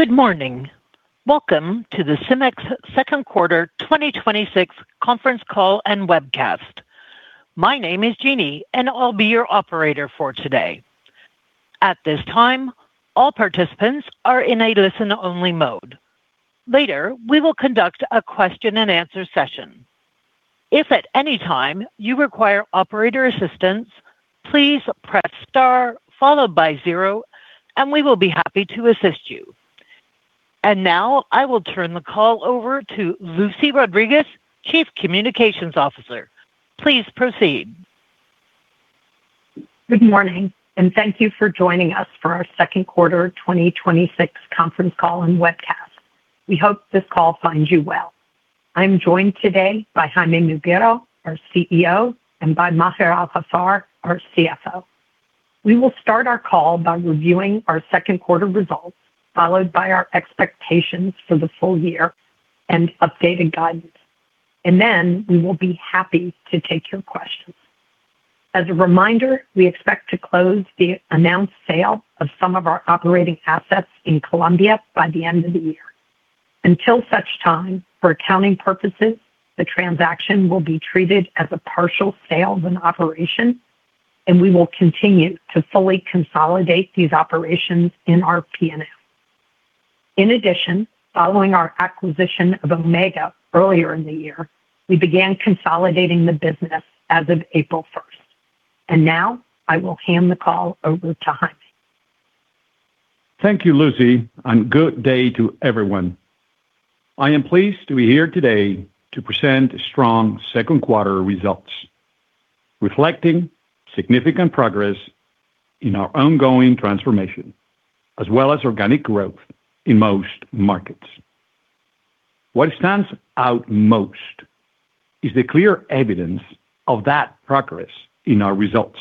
Good morning. Welcome to the CEMEX second quarter 2026 conference call and webcast. My name is Jeannie, and I'll be your operator for today. At this time, all participants are in a listen-only mode. Later, we will conduct a question-and-answer session. If at any time you require operator assistance, please press star followed by zero, and we will be happy to assist you. Now, I will turn the call over to Lucy Rodriguez, Chief Communications Officer. Please proceed. Good morning. Thank you for joining us for our second quarter 2026 conference call and webcast. We hope this call finds you well. I'm joined today by Jaime Muguiro, our CEO, and by Maher Al-Haffar, our CFO. We will start our call by reviewing our second quarter results, followed by our expectations for the full year and updated guidance. Then we will be happy to take your questions. As a reminder, we expect to close the announced sale of some of our operating assets in Colombia by the end of the year. Until such time, for accounting purposes, the transaction will be treated as a partial sale of an operation, and we will continue to fully consolidate these operations in our P&L. In addition, following our acquisition of Omega earlier in the year, we began consolidating the business as of April 1st. Now, I will hand the call over to Jaime. Thank you, Lucy. Good day to everyone. I am pleased to be here today to present strong second quarter results, reflecting significant progress in our ongoing transformation, as well as organic growth in most markets. What stands out most is the clear evidence of that progress in our results,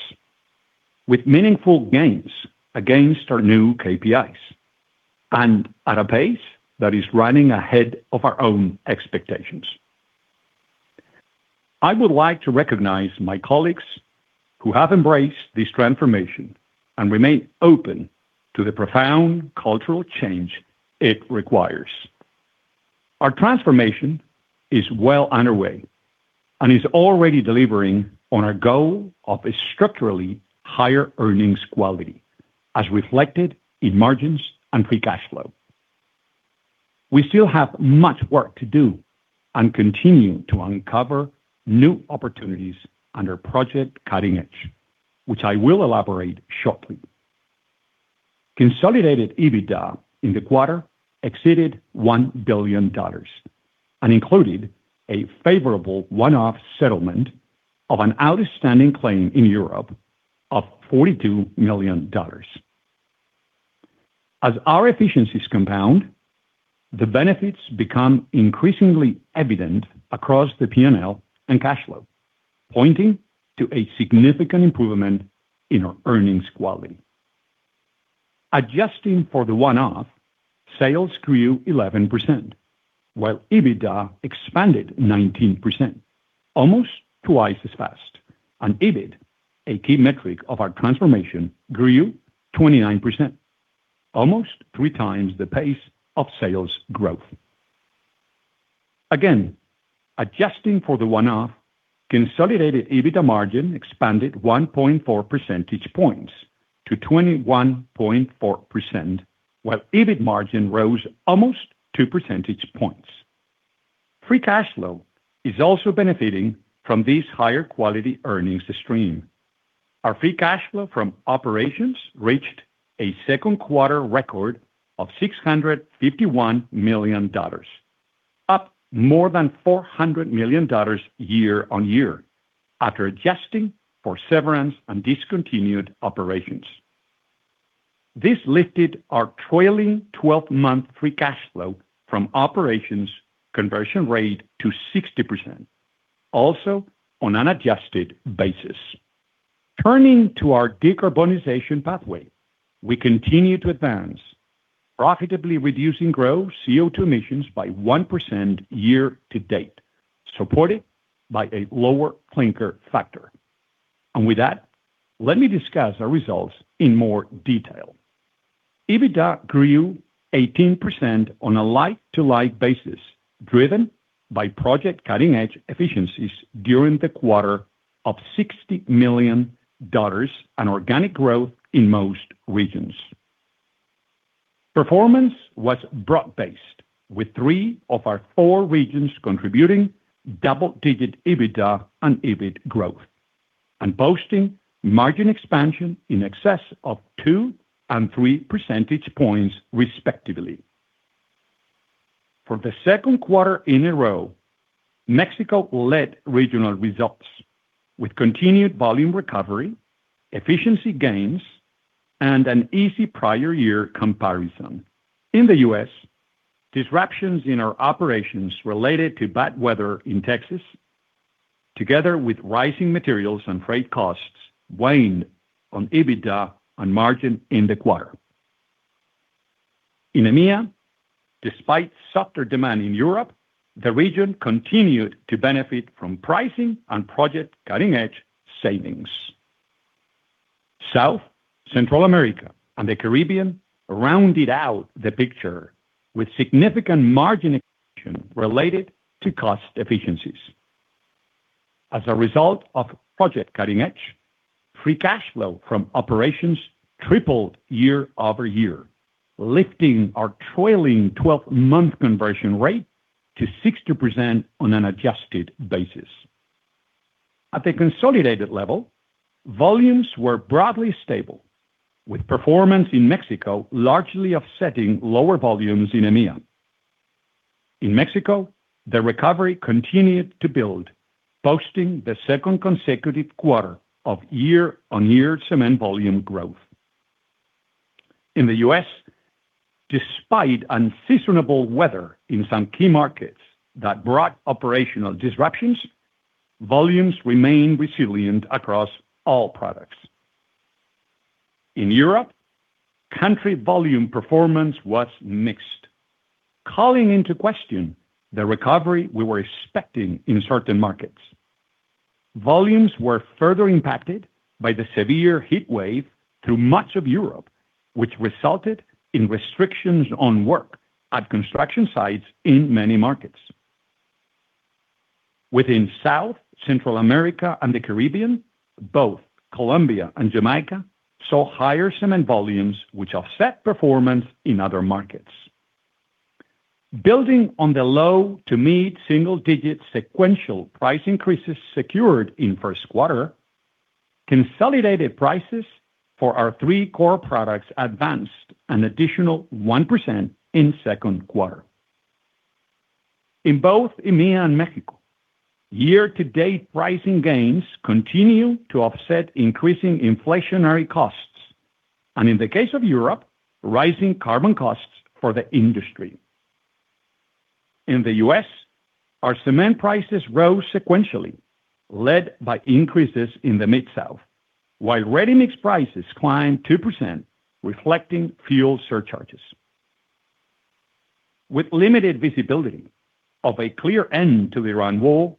with meaningful gains against our new KPIs and at a pace that is running ahead of our own expectations. I would like to recognize my colleagues who have embraced this transformation and remain open to the profound cultural change it requires. Our transformation is well underway and is already delivering on our goal of a structurally higher earnings quality, as reflected in margins and free cash flow. We still have much work to do and continue to uncover new opportunities under Project Cutting Edge, which I will elaborate shortly. Consolidated EBITDA in the quarter exceeded $1 billion and included a favorable one-off settlement of an outstanding claim in Europe of $42 million. As our efficiencies compound, the benefits become increasingly evident across the P&L and cash flow, pointing to a significant improvement in our earnings quality. Adjusting for the one-off, sales grew 11%, while EBITDA expanded 19%, almost twice as fast, and EBIT, a key metric of our transformation, grew 29%, almost three times the pace of sales growth. Again, adjusting for the one-off, consolidated EBITDA margin expanded 1.4 percentage points to 21.4%, while EBIT margin rose almost two percentage points. Free cash flow is also benefiting from this higher quality earnings stream. Our free cash flow from operations reached a second quarter record of $651 million, up more than $400 million year-over-year after adjusting for severance and discontinued operations. This lifted our trailing 12-month free cash flow from operations conversion rate to 60%, also on an adjusted basis. Turning to our decarbonization pathway. We continue to advance, profitably reducing gross CO2 emissions by 1% year-to-date, supported by a lower clinker factor. With that, let me discuss our results in more detail. EBITDA grew 18% on a like-to-like basis, driven by Project Cutting Edge efficiencies during the quarter of $60 million and organic growth in most regions. Performance was broad-based, with three of our four regions contributing double-digit EBITDA and EBIT growth and boasting margin expansion in excess of two and three percentage points, respectively. For the second quarter in a row, Mexico led regional results with continued volume recovery, efficiency gains, and an easy prior year comparison. In the U.S., disruptions in our operations related to bad weather in Texas, together with rising materials and freight costs, waned on EBITDA and margin in the quarter. In EMEA, despite softer demand in Europe, the region continued to benefit from pricing and Project Cutting Edge savings. South/Central America and the Caribbean rounded out the picture with significant margin expansion related to cost efficiencies. As a result of Project Cutting Edge, free cash flow from operations tripled year-over-year, lifting our trailing 12-month conversion rate to 60% on an adjusted basis. At the consolidated level, volumes were broadly stable, with performance in Mexico largely offsetting lower volumes in EMEA. In Mexico, the recovery continued to build, posting the second consecutive quarter of year-on-year cement volume growth. In the U.S., despite unseasonable weather in some key markets that brought operational disruptions, volumes remained resilient across all products. In Europe, country volume performance was mixed, calling into question the recovery we were expecting in certain markets. Volumes were further impacted by the severe heat wave through much of Europe, which resulted in restrictions on work at construction sites in many markets. Within South/Central America and the Caribbean, both Colombia and Jamaica saw higher cement volumes, which offset performance in other markets. Building on the low to mid-single digit sequential price increases secured in first quarter, consolidated prices for our three core products advanced an additional 1% in second quarter. In both EMEA and Mexico, year-to-date pricing gains continue to offset increasing inflationary costs, and in the case of Europe, rising carbon costs for the industry. In the U.S., our cement prices rose sequentially, led by increases in the Mid-South, while ready-mix prices climbed 2%, reflecting fuel surcharges. With limited visibility of a clear end to the Ukraine war,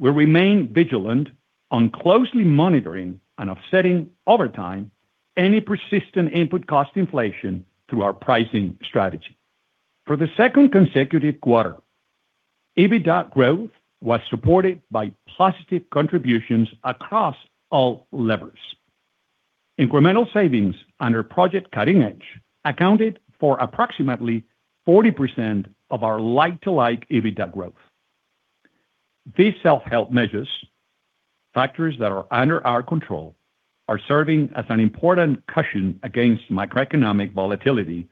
we remain vigilant on closely monitoring and offsetting, over time, any persistent input cost inflation through our pricing strategy. For the second consecutive quarter, EBITDA growth was supported by positive contributions across all levers. Incremental savings under Project Cutting Edge accounted for approximately 40% of our like-to-like EBITDA growth. These self-help measures, factors that are under our control, are serving as an important cushion against macroeconomic volatility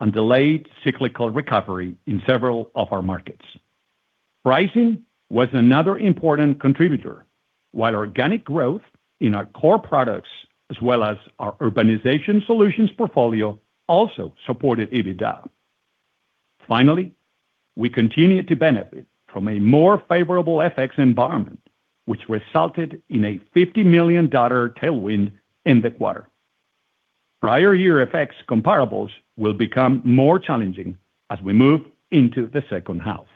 and delayed cyclical recovery in several of our markets. Pricing was another important contributor, while organic growth in our core products, as well as our Urbanization Solutions portfolio, also supported EBITDA. Finally, we continue to benefit from a more favorable FX environment, which resulted in a $50 million tailwind in the quarter. Prior year FX comparables will become more challenging as we move into the second half.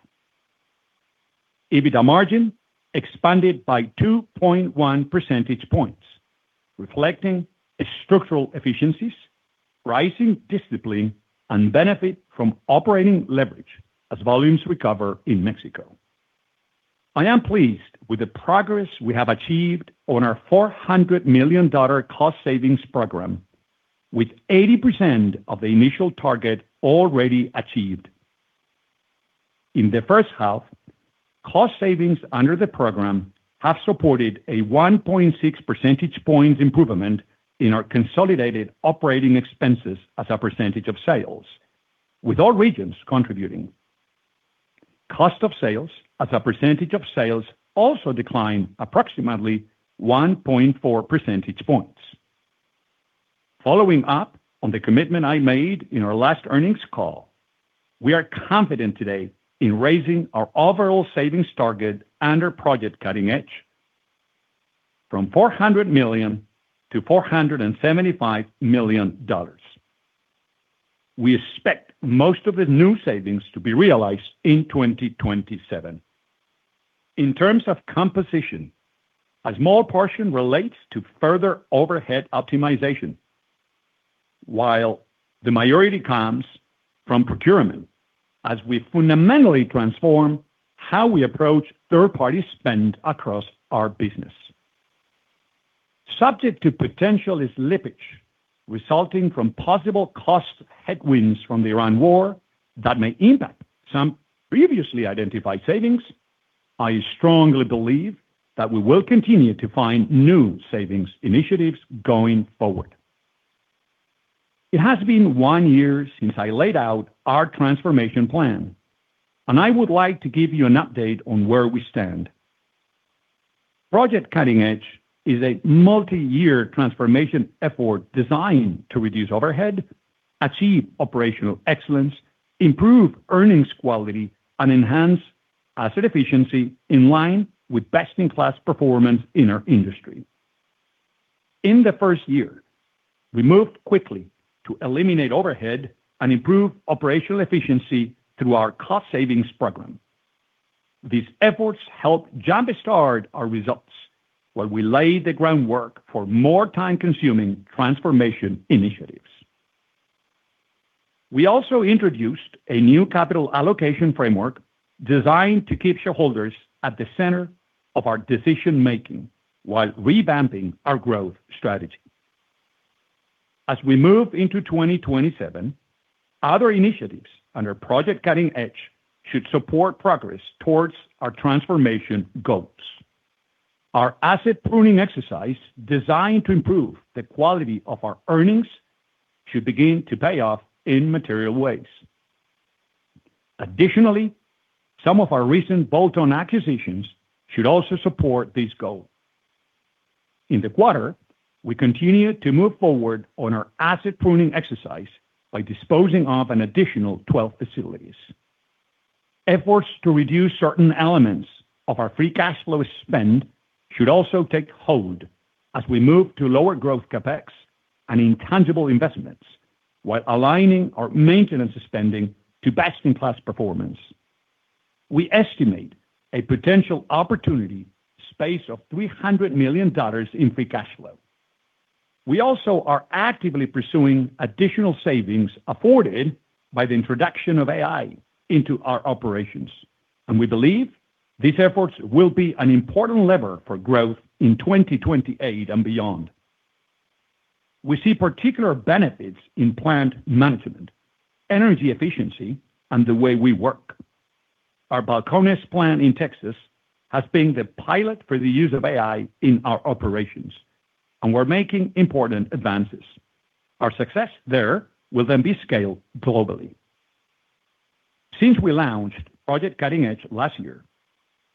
EBITDA margin expanded by 2.1 percentage points, reflecting structural efficiencies, pricing discipline, and benefit from operating leverage as volumes recover in Mexico. I am pleased with the progress we have achieved on our $400 million cost savings program, with 80% of the initial target already achieved. In the first half, cost savings under the program have supported a 1.6 percentage points improvement in our consolidated operating expenses as a percentage of sales, with all regions contributing. Cost of sales as a percentage of sales also declined approximately 1.4 percentage points. Following up on the commitment I made in our last earnings call, we are confident today in raising our overall savings target under Project Cutting Edge from $400 million to $475 million. We expect most of the new savings to be realized in 2027. In terms of composition, a small portion relates to further overhead optimization, while the majority comes from procurement as we fundamentally transform how we approach third-party spend across our business. Subject to potential slippage resulting from possible cost headwinds from the Ukraine war that may impact some previously identified savings, I strongly believe that we will continue to find new savings initiatives going forward. It has been one year since I laid out our transformation plan. I would like to give you an update on where we stand. Project Cutting Edge is a multi-year transformation effort designed to reduce overhead, achieve operational excellence, improve earnings quality, and enhance asset efficiency in line with best-in-class performance in our industry. In the first year, we moved quickly to eliminate overhead and improve operational efficiency through our cost savings program. These efforts help jumpstart our results while we lay the groundwork for more time-consuming transformation initiatives. We also introduced a new capital allocation framework designed to keep shareholders at the center of our decision-making while revamping our growth strategy. As we move into 2027, other initiatives under Project Cutting Edge should support progress towards our transformation goals. Our asset pruning exercise, designed to improve the quality of our earnings, should begin to pay off in material ways. Additionally, some of our recent bolt-on acquisitions should also support this goal. In the quarter, we continued to move forward on our asset pruning exercise by disposing of an additional 12 facilities. Efforts to reduce certain elements of our free cash flow spend should also take hold as we move to lower growth CapEx and intangible investments while aligning our maintenance spending to best-in-class performance. We estimate a potential opportunity space of $300 million in free cash flow. We also are actively pursuing additional savings afforded by the introduction of AI into our operations. We believe these efforts will be an important lever for growth in 2028 and beyond. We see particular benefits in plant management, energy efficiency, and the way we work. Our Balcones plant in Texas has been the pilot for the use of AI in our operations. We're making important advances. Our success there will then be scaled globally. Since we launched Project Cutting Edge last year,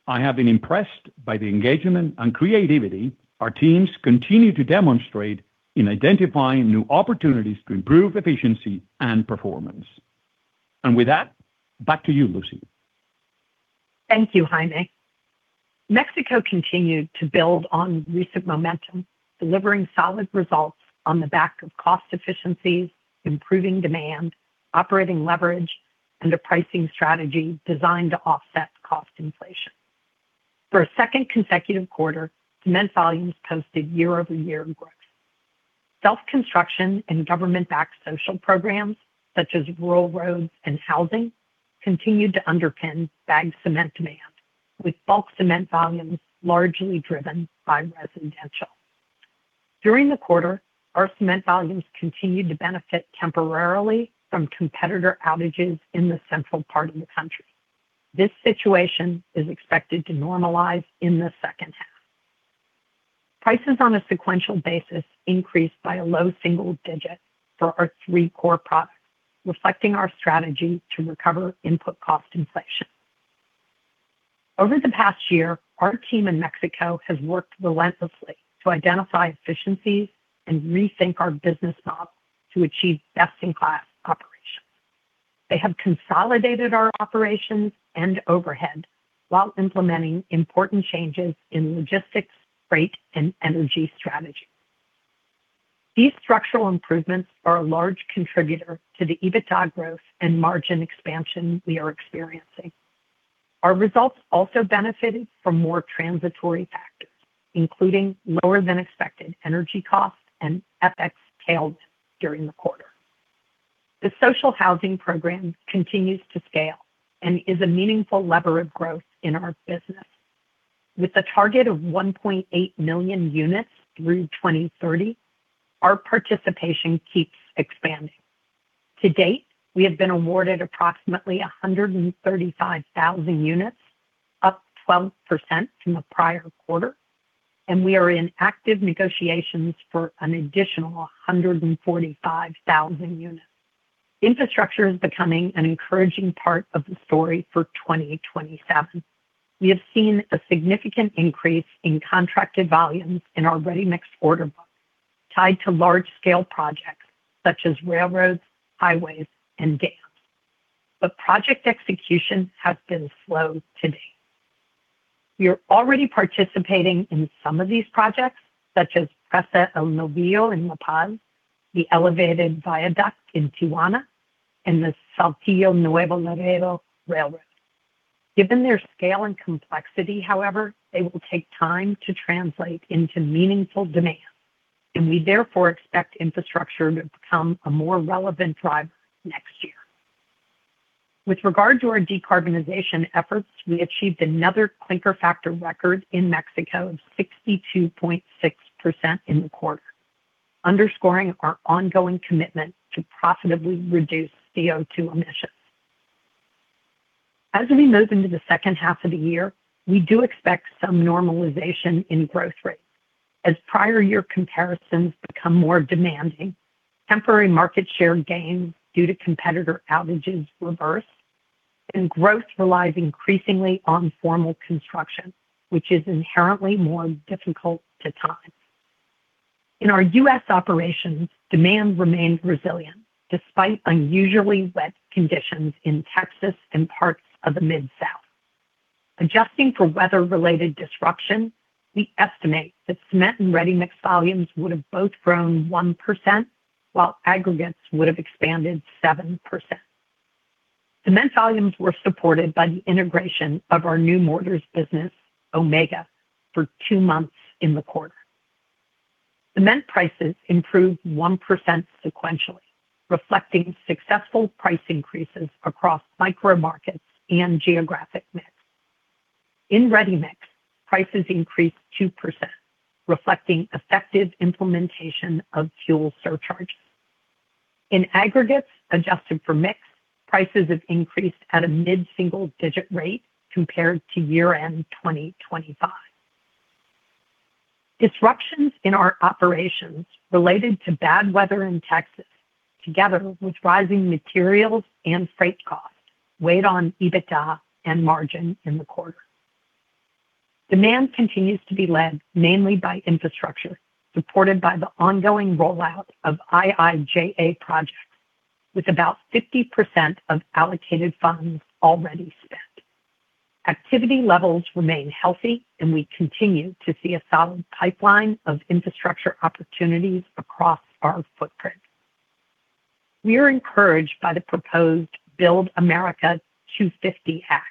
I have been impressed by the engagement and creativity our teams continue to demonstrate in identifying new opportunities to improve efficiency and performance. With that, back to you, Lucy. Thank you, Jaime. Mexico continued to build on recent momentum, delivering solid results on the back of cost efficiencies, improving demand, operating leverage, and a pricing strategy designed to offset cost inflation. For a second consecutive quarter, cement volumes posted year-over-year growth. Self-construction and government-backed social programs, such as rural roads and housing, continued to underpin bagged cement demand, with bulk cement volumes largely driven by residential. During the quarter, our cement volumes continued to benefit temporarily from competitor outages in the central part of the country. This situation is expected to normalize in the second half. Prices on a sequential basis increased by a low single digit for our three core products, reflecting our strategy to recover input cost inflation. Over the past year, our team in Mexico has worked relentlessly to identify efficiencies and rethink our business model to achieve best-in-class operations. They have consolidated our operations and overhead while implementing important changes in logistics, freight, and energy strategy. These structural improvements are a large contributor to the EBITDA growth and margin expansion we are experiencing. Our results also benefited from more transitory factors, including lower-than-expected energy costs and FX tails during the quarter. The social housing program continues to scale and is a meaningful lever of growth in our business. With a target of 1.8 million units through 2030, our participation keeps expanding. To date, we have been awarded approximately 135,000 units, up 12% from the prior quarter. We are in active negotiations for an additional 145,000 units. Infrastructure is becoming an encouraging part of the story for 2027. We have seen a significant increase in contracted volumes in our ready-mix order book tied to large-scale projects such as railroads, highways, and dams. Project execution has been slow to date. We are already participating in some of these projects, such as Presa El Novillo in La Paz, the elevated viaduct in Tijuana, and the Saltillo-Nuevo Laredo railroad. Given their scale and complexity, however, they will take time to translate into meaningful demand. We therefore expect infrastructure to become a more relevant driver next year. With regard to our decarbonization efforts, we achieved another clinker factor record in Mexico of 62.6% in the quarter, underscoring our ongoing commitment to profitably reduce CO2 emissions. As we move into the second half of the year, we do expect some normalization in growth rates as prior year comparisons become more demanding, temporary market share gains due to competitor outages reverse. Growth relies increasingly on formal construction, which is inherently more difficult to time. In our U.S. operations, demand remained resilient despite unusually wet conditions in Texas and parts of the Mid-South. Adjusting for weather-related disruption, we estimate that cement and ready-mix volumes would have both grown 1%. Aggregates would have expanded 7%. Cement volumes were supported by the integration of our new mortars business, Omega, for two months in the quarter. Cement prices improved 1% sequentially, reflecting successful price increases across micro markets and geographic mix. In ready-mix, prices increased 2%, reflecting effective implementation of fuel surcharges. In aggregates, adjusted for mix, prices have increased at a mid-single digit rate compared to year-end 2025. Disruptions in our operations related to bad weather in Texas, together with rising materials and freight costs, weighed on EBITDA and margin in the quarter. Demand continues to be led mainly by infrastructure, supported by the ongoing rollout of IIJA projects, with about 50% of allocated funds already spent. Activity levels remain healthy. We continue to see a solid pipeline of infrastructure opportunities across our footprint. We are encouraged by the proposed Build America 250 Act,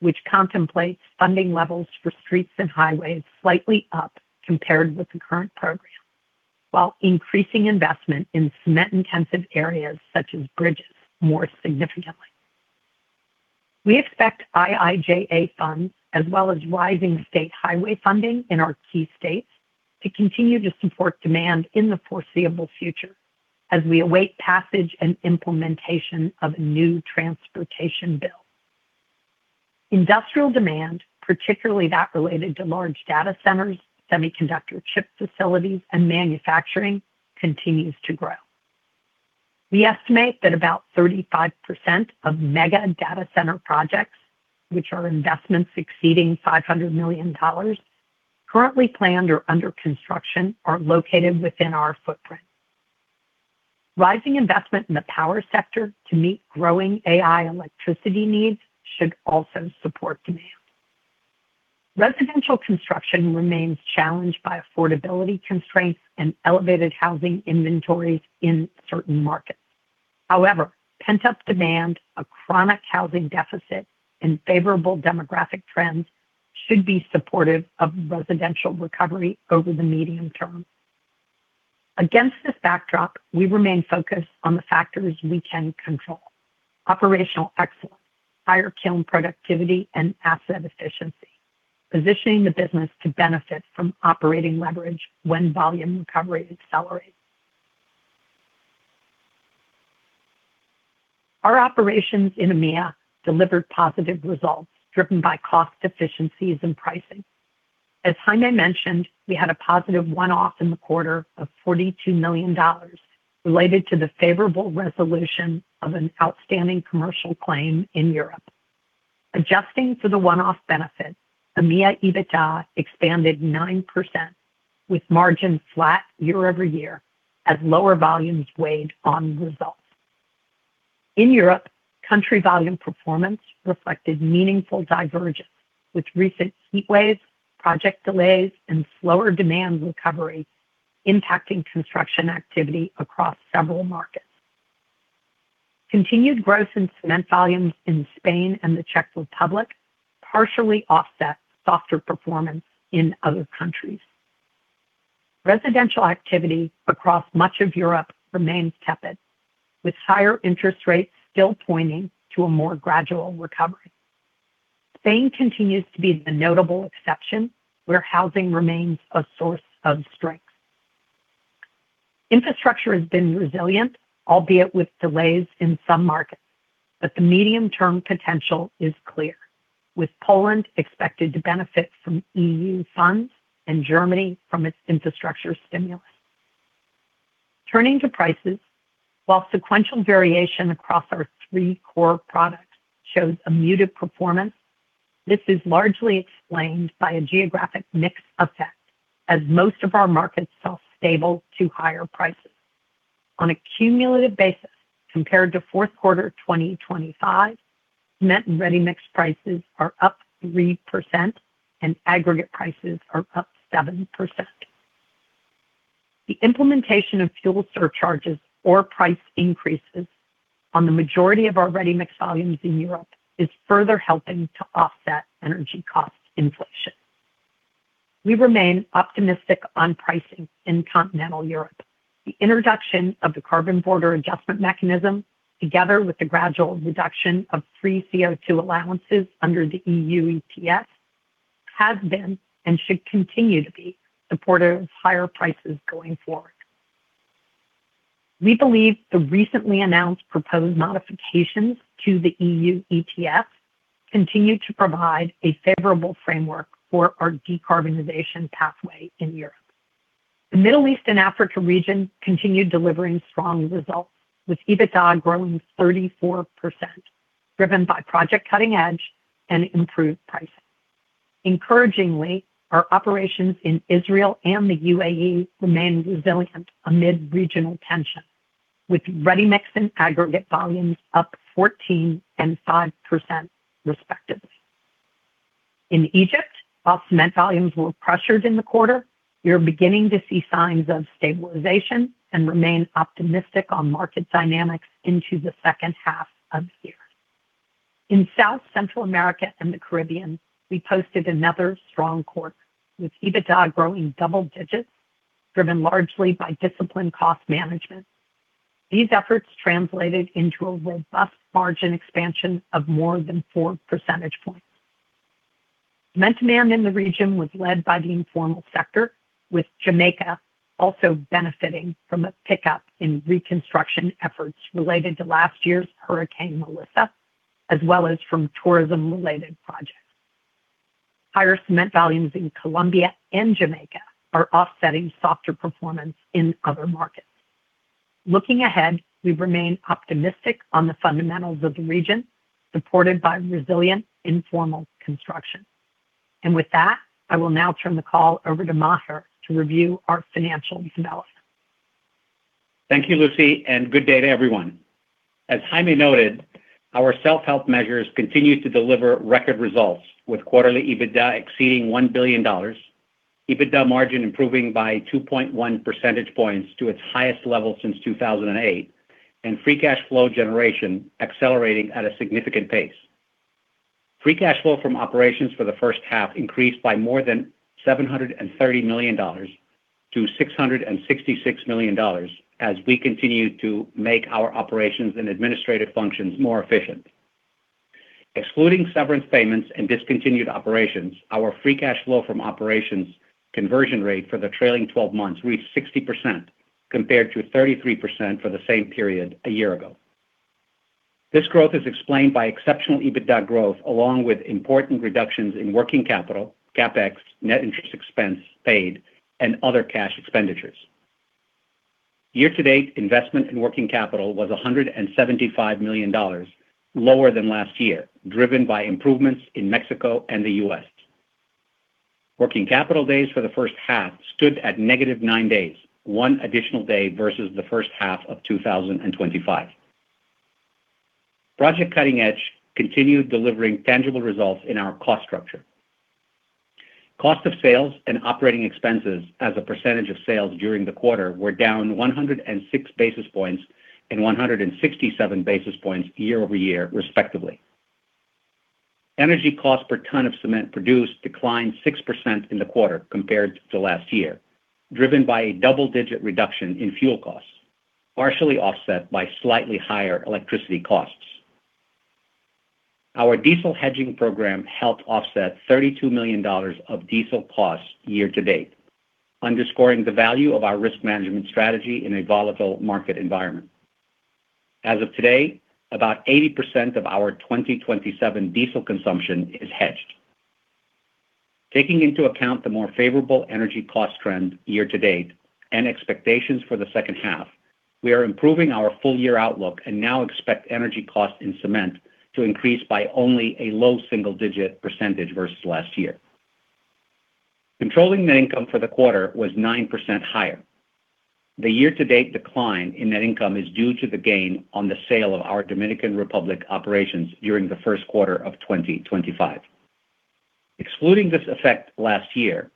which contemplates funding levels for streets and highways slightly up compared with the current program, while increasing investment in cement-intensive areas such as bridges more significantly. We expect IIJA funds, as well as rising state highway funding in our key states, to continue to support demand in the foreseeable future as we await passage and implementation of a new transportation bill. Industrial demand, particularly that related to large data centers, semiconductor chip facilities, and manufacturing, continues to grow. We estimate that about 35% of mega data center projects, which are investments exceeding $500 million, currently planned or under construction, are located within our footprint. Rising investment in the power sector to meet growing AI electricity needs should also support demand. Residential construction remains challenged by affordability constraints and elevated housing inventories in certain markets. Pent-up demand, a chronic housing deficit, and favorable demographic trends should be supportive of residential recovery over the medium term. Against this backdrop, we remain focused on the factors we can control. Operational excellence, higher kiln productivity, and asset efficiency, positioning the business to benefit from operating leverage when volume recovery accelerates. Our operations in EMEA delivered positive results, driven by cost efficiencies and pricing. As Jaime mentioned, we had a positive one-off in the quarter of $42 million related to the favorable resolution of an outstanding commercial claim in Europe. Adjusting for the one-off benefit, EMEA EBITDA expanded 9% with margin flat year-over-year as lower volumes weighed on results. In Europe, country volume performance reflected meaningful divergence, with recent heatwaves, project delays, slower demand recovery impacting construction activity across several markets. Continued growth in cement volumes in Spain and the Czech Republic partially offset softer performance in other countries. Residential activity across much of Europe remains tepid, with higher interest rates still pointing to a more gradual recovery. Spain continues to be the notable exception where housing remains a source of strength. Infrastructure has been resilient, albeit with delays in some markets, but the medium-term potential is clear, with Poland expected to benefit from EU funds and Germany from its infrastructure stimulus. Turning to prices, while sequential variation across our three core products shows a muted performance, this is largely explained by a geographic mix effect as most of our markets saw stable to higher prices. On a cumulative basis, compared to fourth quarter 2025, cement and ready-mix prices are up 3% and aggregate prices are up 7%. The implementation of fuel surcharges or price increases on the majority of our ready-mix volumes in Europe is further helping to offset energy cost inflation. We remain optimistic on pricing in continental Europe. The introduction of the Carbon Border Adjustment Mechanism, together with the gradual reduction of free CO2 allowances under the EU ETS, has been and should continue to be supportive of higher prices going forward. We believe the recently announced proposed modifications to the EU ETS continue to provide a favorable framework for our decarbonization pathway in Europe. The Middle East and Africa region continued delivering strong results, with EBITDA growing 34%, driven by Project Cutting Edge and improved pricing. Encouragingly, our operations in Israel and the UAE remain resilient amid regional tension, with ready-mix and aggregate volumes up 14% and 5% respectively. In Egypt, while cement volumes were pressured in the quarter, we are beginning to see signs of stabilization and remain optimistic on market dynamics into the second half of the year. In South Central America and the Caribbean, we posted another strong quarter, with EBITDA growing double digits, driven largely by disciplined cost management. These efforts translated into a robust margin expansion of more than four percentage points. Cement demand in the region was led by the informal sector, with Jamaica also benefiting from a pickup in reconstruction efforts related to last year's Hurricane Melissa, as well as from tourism-related projects. Higher cement volumes in Colombia and Jamaica are offsetting softer performance in other markets. Looking ahead, we remain optimistic on the fundamentals of the region, supported by resilient informal construction. With that, I will now turn the call over to Maher to review our financial developments. Thank you, Lucy, and good day to everyone. As Jaime noted, our self-help measures continue to deliver record results, with quarterly EBITDA exceeding $1 billion, EBITDA margin improving by 2.1 percentage points to its highest level since 2008, and free cash flow generation accelerating at a significant pace. Free cash flow from operations for the first half increased by more than $730 million to $666 million, as we continue to make our operations and administrative functions more efficient. Excluding severance payments and discontinued operations, our free cash flow from operations conversion rate for the trailing 12 months reached 60%, compared to 33% for the same period a year ago. This growth is explained by exceptional EBITDA growth, along with important reductions in working capital, CapEx, net interest expense paid, and other cash expenditures. Year-to-date investment in working capital was $175 million, lower than last year, driven by improvements in Mexico and the U.S. Working capital days for the first half stood at negative nine days, one additional day versus the first half of 2025. Project Cutting Edge continued delivering tangible results in our cost structure. Cost of sales and operating expenses as a percentage of sales during the quarter were down 106 basis points and 167 basis points year-over-year, respectively. Energy cost per ton of cement produced declined 6% in the quarter compared to last year, driven by a double-digit reduction in fuel costs, partially offset by slightly higher electricity costs. Our diesel hedging program helped offset $32 million of diesel costs year to date, underscoring the value of our risk management strategy in a volatile market environment. As of today, about 80% of our 2027 diesel consumption is hedged. Taking into account the more favorable energy cost trend year to date and expectations for the second half, we are improving our full-year outlook and now expect energy costs in cement to increase by only a low single-digit percentage versus last year. Controlling net income for the quarter was 9% higher. The year-to-date decline in net income is due to the gain on the sale of our Dominican Republic operations during the first quarter of 2025. Excluding this effect last year,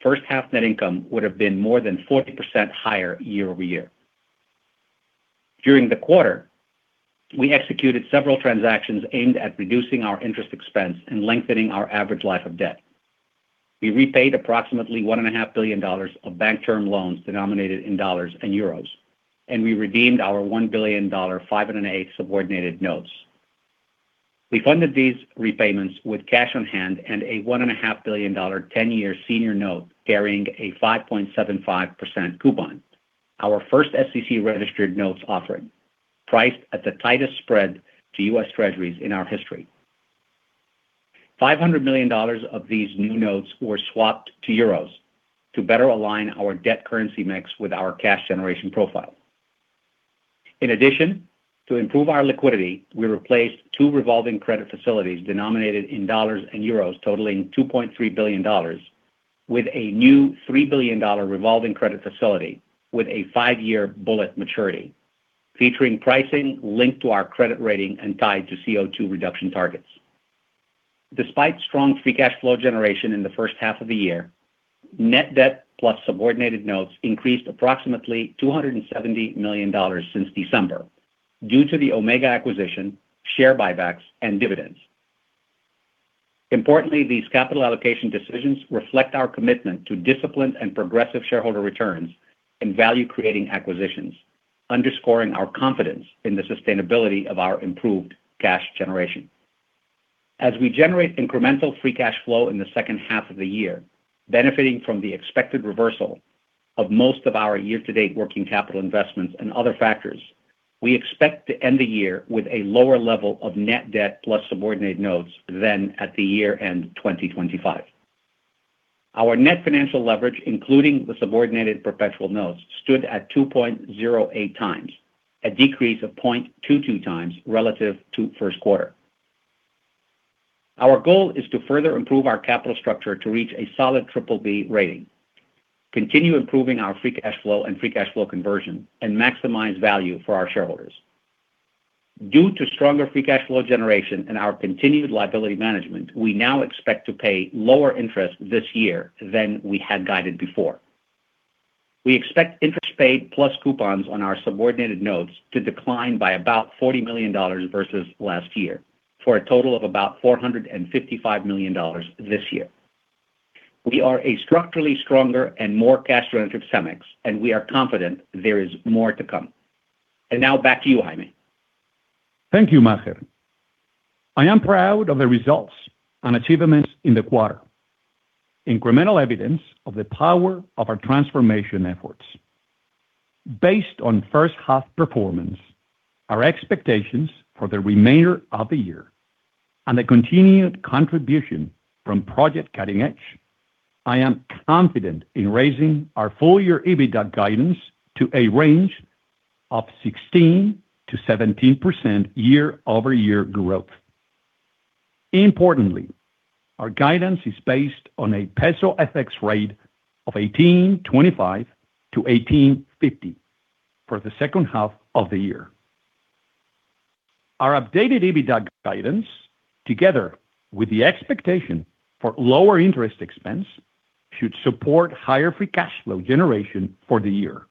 first half net income would have been more than 40% higher year-over-year. During the quarter, we executed several transactions aimed at reducing our interest expense and lengthening our average life of debt. We repaid approximately $1.5 billion of bank term loans denominated in dollars and euros, and we redeemed our $1 billion 5.8 subordinated notes. We funded these repayments with cash on hand and a $1.5 billion 10-year senior note carrying a 5.75% coupon. Our first SEC-registered notes offering, priced at the tightest spread to U.S. Treasuries in our history. $500 million of these new notes were swapped to euros to better align our debt currency mix with our cash generation profile. In addition, to improve our liquidity, we replaced two revolving credit facilities denominated in dollars and euros totaling $2.3 billion with a new $3 billion revolving credit facility with a five-year bullet maturity, featuring pricing linked to our credit rating and tied to CO2 reduction targets. Despite strong free cash flow generation in the first half of the year, net debt plus subordinated notes increased approximately $270 million since December due to the Omega acquisition, share buybacks, and dividends. Importantly, these capital allocation decisions reflect our commitment to disciplined and progressive shareholder returns and value-creating acquisitions, underscoring our confidence in the sustainability of our improved cash generation. As we generate incremental free cash flow in the second half of the year, benefiting from the expected reversal of most of our year-to-date working capital investments and other factors, we expect to end the year with a lower level of net debt plus subordinate notes than at the year-end 2025. Our net financial leverage, including the subordinated perpetual notes, stood at 2.08 times, a decrease of 0.22 times relative to first quarter. Our goal is to further improve our capital structure to reach a solid BBB rating, continue improving our free cash flow and free cash flow conversion, and maximize value for our shareholders. Due to stronger free cash flow generation and our continued liability management, we now expect to pay lower interest this year than we had guided before. We expect interest paid plus coupons on our subordinated notes to decline by about $40 million versus last year, for a total of about $455 million this year. We are a structurally stronger and more cash generative CEMEX, and we are confident there is more to come. Now back to you, Jaime. Thank you, Maher. I am proud of the results and achievements in the quarter. Incremental evidence of the power of our transformation efforts. Based on first half performance, our expectations for the remainder of the year, and the continued contribution from Project Cutting Edge, I am confident in raising our full year EBITDA guidance to a range of 16%-17% year-over-year growth. Importantly, our guidance is based on a peso FX rate of 18.25 to 18.50 for the second half of the year. Our updated EBITDA guidance, together with the expectation for lower interest expense, should support higher free cash flow generation for the year.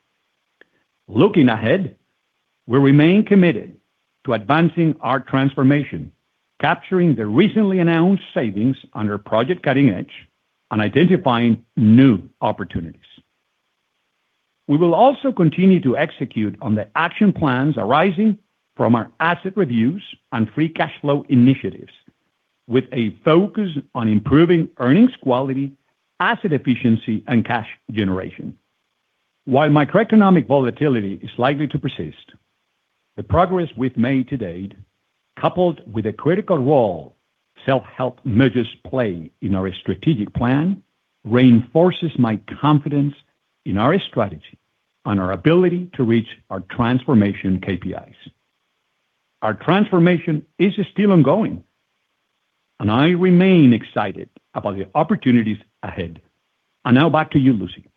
Looking ahead, we remain committed to advancing our transformation, capturing the recently announced savings under Project Cutting Edge and identifying new opportunities. We will also continue to execute on the action plans arising from our asset reviews and free cash flow initiatives, with a focus on improving earnings quality, asset efficiency and cash generation. While macroeconomic volatility is likely to persist, the progress we've made to date, coupled with the critical role self-help measures play in our strategic plan, reinforces my confidence in our strategy and our ability to reach our transformation KPIs. Our transformation is still ongoing, and I remain excited about the opportunities ahead. Now back to you, Lucy.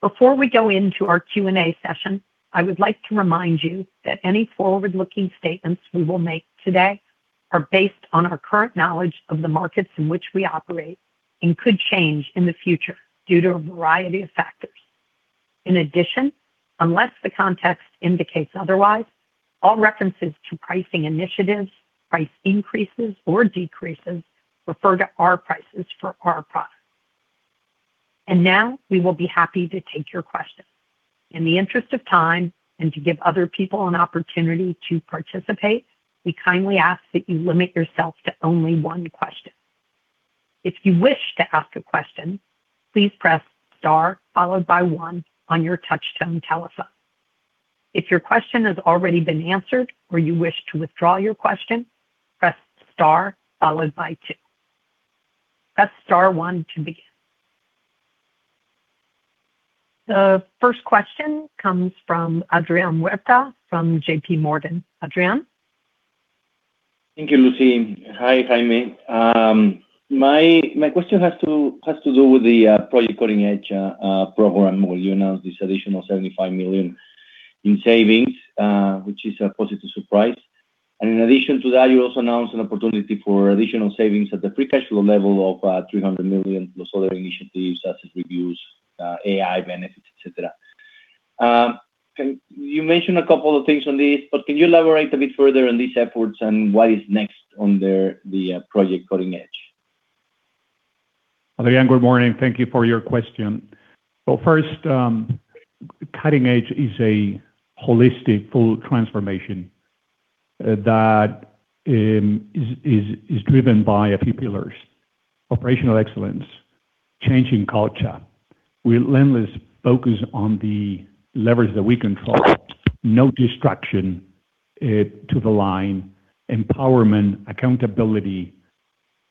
Before we go into our Q&A session, I would like to remind you that any forward-looking statements we will make today are based on our current knowledge of the markets in which we operate and could change in the future due to a variety of factors. In addition, unless the context indicates otherwise, all references to pricing initiatives, price increases or decreases refer to our prices for our products. Now, we will be happy to take your questions. In the interest of time, and to give other people an opportunity to participate, we kindly ask that you limit yourself to only one question. If you wish to ask a question, please press star followed by one on your touchtone telephone. If your question has already been answered or you wish to withdraw your question, press star followed by two. Press star one to begin. The first question comes from Adrian Huerta from JPMorgan. Adrian? Thank you, Lucy. Hi, Jaime. My question has to do with the Project Cutting Edge program, where you announced this additional $75 million in savings, which is a positive surprise. In addition to that, you also announced an opportunity for additional savings at the free cash flow level of $300 million plus other initiatives such as reviews, AI benefits, et cetera. You mentioned a couple of things on this, but can you elaborate a bit further on these efforts and what is next on the Project Cutting Edge? Adrian, good morning. Thank you for your question. First, Cutting Edge is a holistic, full transformation that is driven by a few pillars. Operational excellence, changing culture, relentless focus on the leverage that we control, no distraction to the line, empowerment, accountability,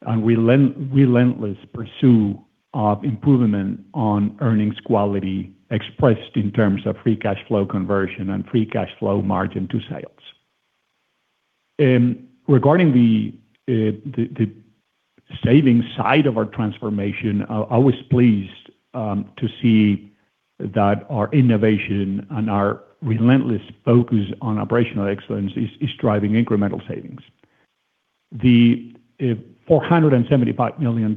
and relentless pursuit of improvement on earnings quality expressed in terms of free cash flow conversion and free cash flow margin to sales. Regarding the savings side of our transformation, I was pleased to see that our innovation and our relentless focus on operational excellence is driving incremental savings. The $475 million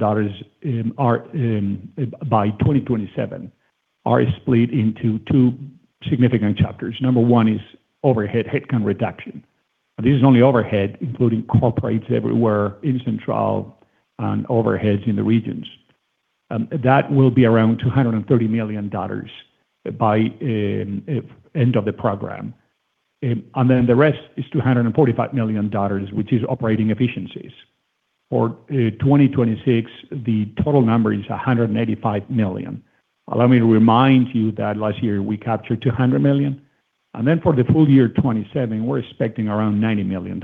by 2027 are split into two significant chapters. Number one is overhead headcount reduction. This is only overhead, including corporates everywhere in Central and overheads in the regions. That will be around $230 million by end of the program. The rest is $245 million, which is operating efficiencies. For 2026, the total number is $185 million. Allow me to remind you that last year we captured $200 million. For the full year 2027, we are expecting around $90 million.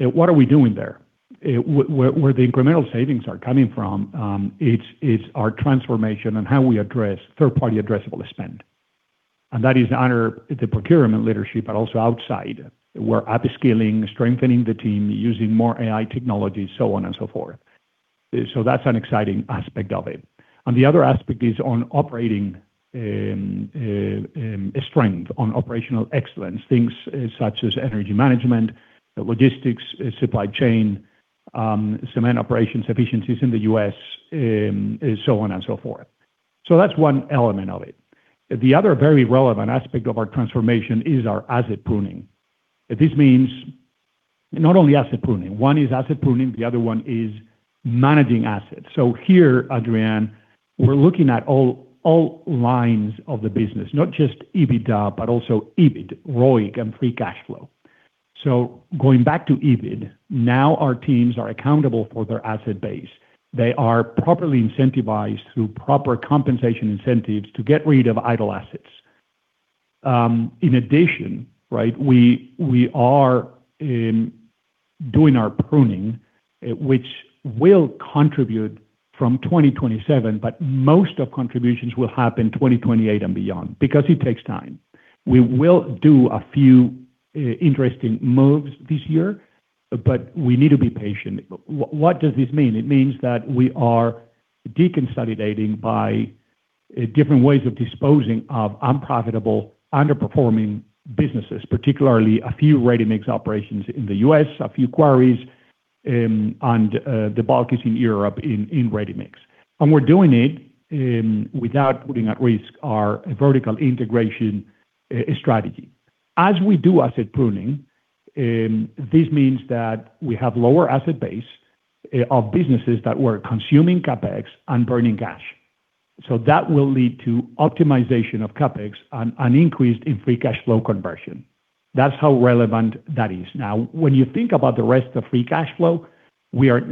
What are we doing there? Where the incremental savings are coming from, it is our transformation and how we address third-party addressable spend. That is under the procurement leadership, but also outside. We are upskilling, strengthening the team, using more AI technology, so on and so forth. That is an exciting aspect of it. The other aspect is on operating strength, on operational excellence. Things such as energy management, logistics, supply chain, cement operations efficiencies in the U.S., so on and so forth. That is one element of it. The other very relevant aspect of our transformation is our asset pruning. This means not only asset pruning. One is asset pruning, the other one is managing assets. Here, Adrian, we're looking at all lines of the business, not just EBITDA, but also EBIT, ROIC, and free cash flow. Going back to EBIT, our teams are accountable for their asset base. They are properly incentivized through proper compensation incentives to get rid of idle assets. In addition, we are doing our pruning, which will contribute from 2027, but most of contributions will happen 2028 and beyond, because it takes time. We will do a few interesting moves this year, but we need to be patient. What does this mean? It means that we are deconsolidating by different ways of disposing of unprofitable, underperforming businesses, particularly a few ready-mix operations in the U.S., a few quarries, and the bulk is in Europe in ready-mix. We're doing it without putting at risk our vertical integration strategy. As we do asset pruning, this means that we have lower asset base of businesses that were consuming CapEx and burning cash. That will lead to optimization of CapEx and an increase in free cash flow conversion. That's how relevant that is. When you think about the rest of free cash flow, what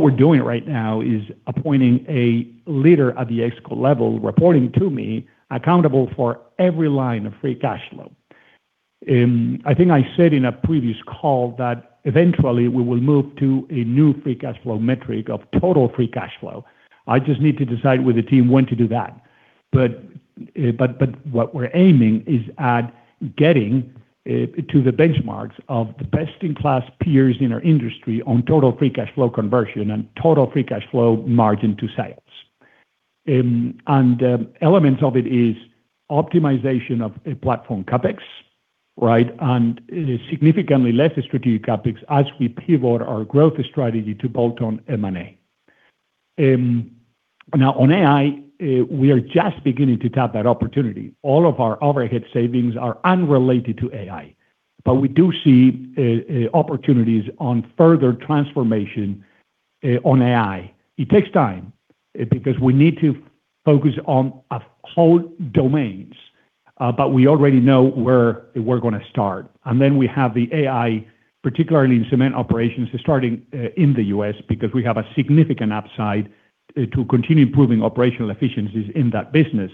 we're doing right now is appointing a leader at the ExCo level, reporting to me, accountable for every line of free cash flow. I think I said in a previous call that eventually we will move to a new free cash flow metric of total free cash flow. I just need to decide with the team when to do that. What we're aiming is at getting to the benchmarks of the best-in-class peers in our industry on total free cash flow conversion and total free cash flow margin to sales. Elements of it is optimization of platform CapEx, and significantly less strategic CapEx as we pivot our growth strategy to bolt-on M&A. On AI, we are just beginning to tap that opportunity. All of our overhead savings are unrelated to AI. We do see opportunities on further transformation on AI. It takes time, because we need to focus on whole domains. We already know where we're going to start. We have the AI, particularly in cement operations, starting in the U.S., because we have a significant upside to continue improving operational efficiencies in that business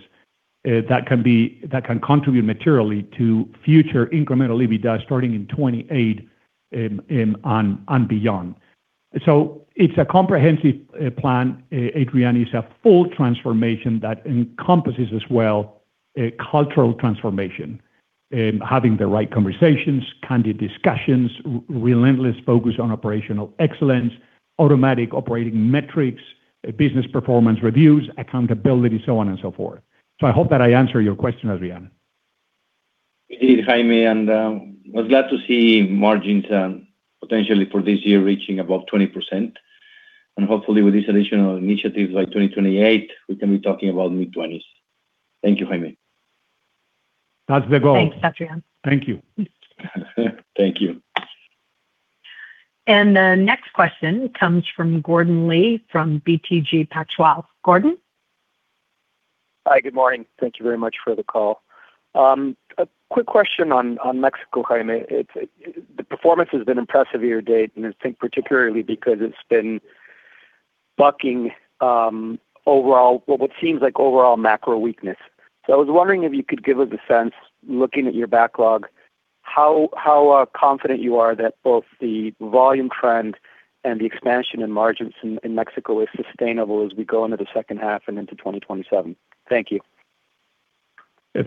that can contribute materially to future incremental EBITDA starting in 2028 and beyond. It's a comprehensive plan, Adrian. It's a full transformation that encompasses as well a cultural transformation. Having the right conversations, candid discussions, relentless focus on operational excellence, automatic operating metrics, business performance reviews, accountability, so on and so forth. I hope that I answered your question, Adrian. You did, Jaime, was glad to see margins potentially for this year reaching above 20%. Hopefully with these additional initiatives by 2028, we can be talking about mid-20s. Thank you, Jaime. That's the goal. Thanks, Adrian. Thank you. Thank you. The next question comes from Gordon Lee from BTG Pactual. Gordon? Hi, good morning. Thank you very much for the call. A quick question on Mexico, Jaime. The performance has been impressive year to date, and I think particularly because it's been bucking what seems like overall macro weakness. I was wondering if you could give us a sense, looking at your backlog, how confident you are that both the volume trend and the expansion in margins in Mexico is sustainable as we go into the second half and into 2027. Thank you.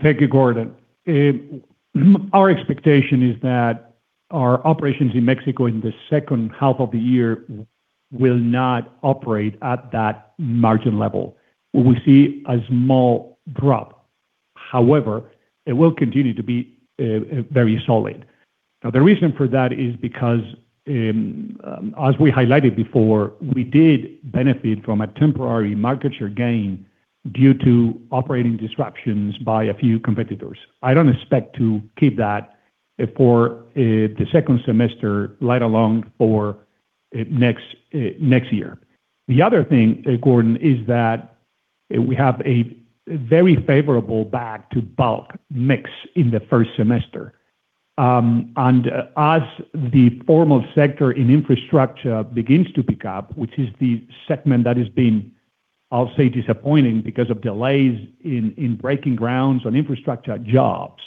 Thank you, Gordon. Our expectation is that our operations in Mexico in the second half of the year will not operate at that margin level. We see a small drop. However, it will continue to be very solid. The reason for that is because, as we highlighted before, we did benefit from a temporary market share gain due to operating disruptions by a few competitors. I don't expect to keep that for the second semester, let alone for next year. The other thing, Gordon, is that we have a very favorable bag to bulk mix in the first semester. As the formal sector in infrastructure begins to pick up, which is the segment that has been, I'll say, disappointing because of delays in breaking grounds on infrastructure jobs,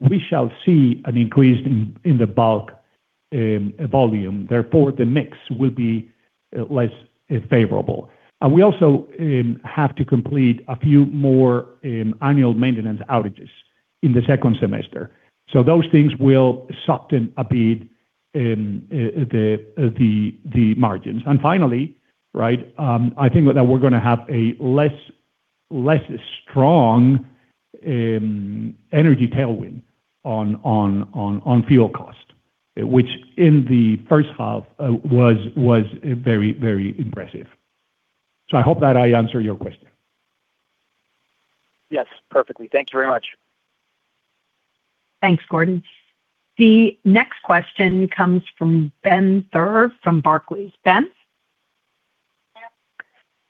we shall see an increase in the bulk volume. The mix will be less favorable. We also have to complete a few more annual maintenance outages in the second semester. Those things will soften a bit the margins. Finally, I think that we're going to have a less strong energy tailwind on fuel cost, which in the first half was very impressive. I hope that I answered your question. Yes, perfectly. Thank you very much. Thanks, Gordon. The next question comes from Ben Theurer from Barclays. Ben?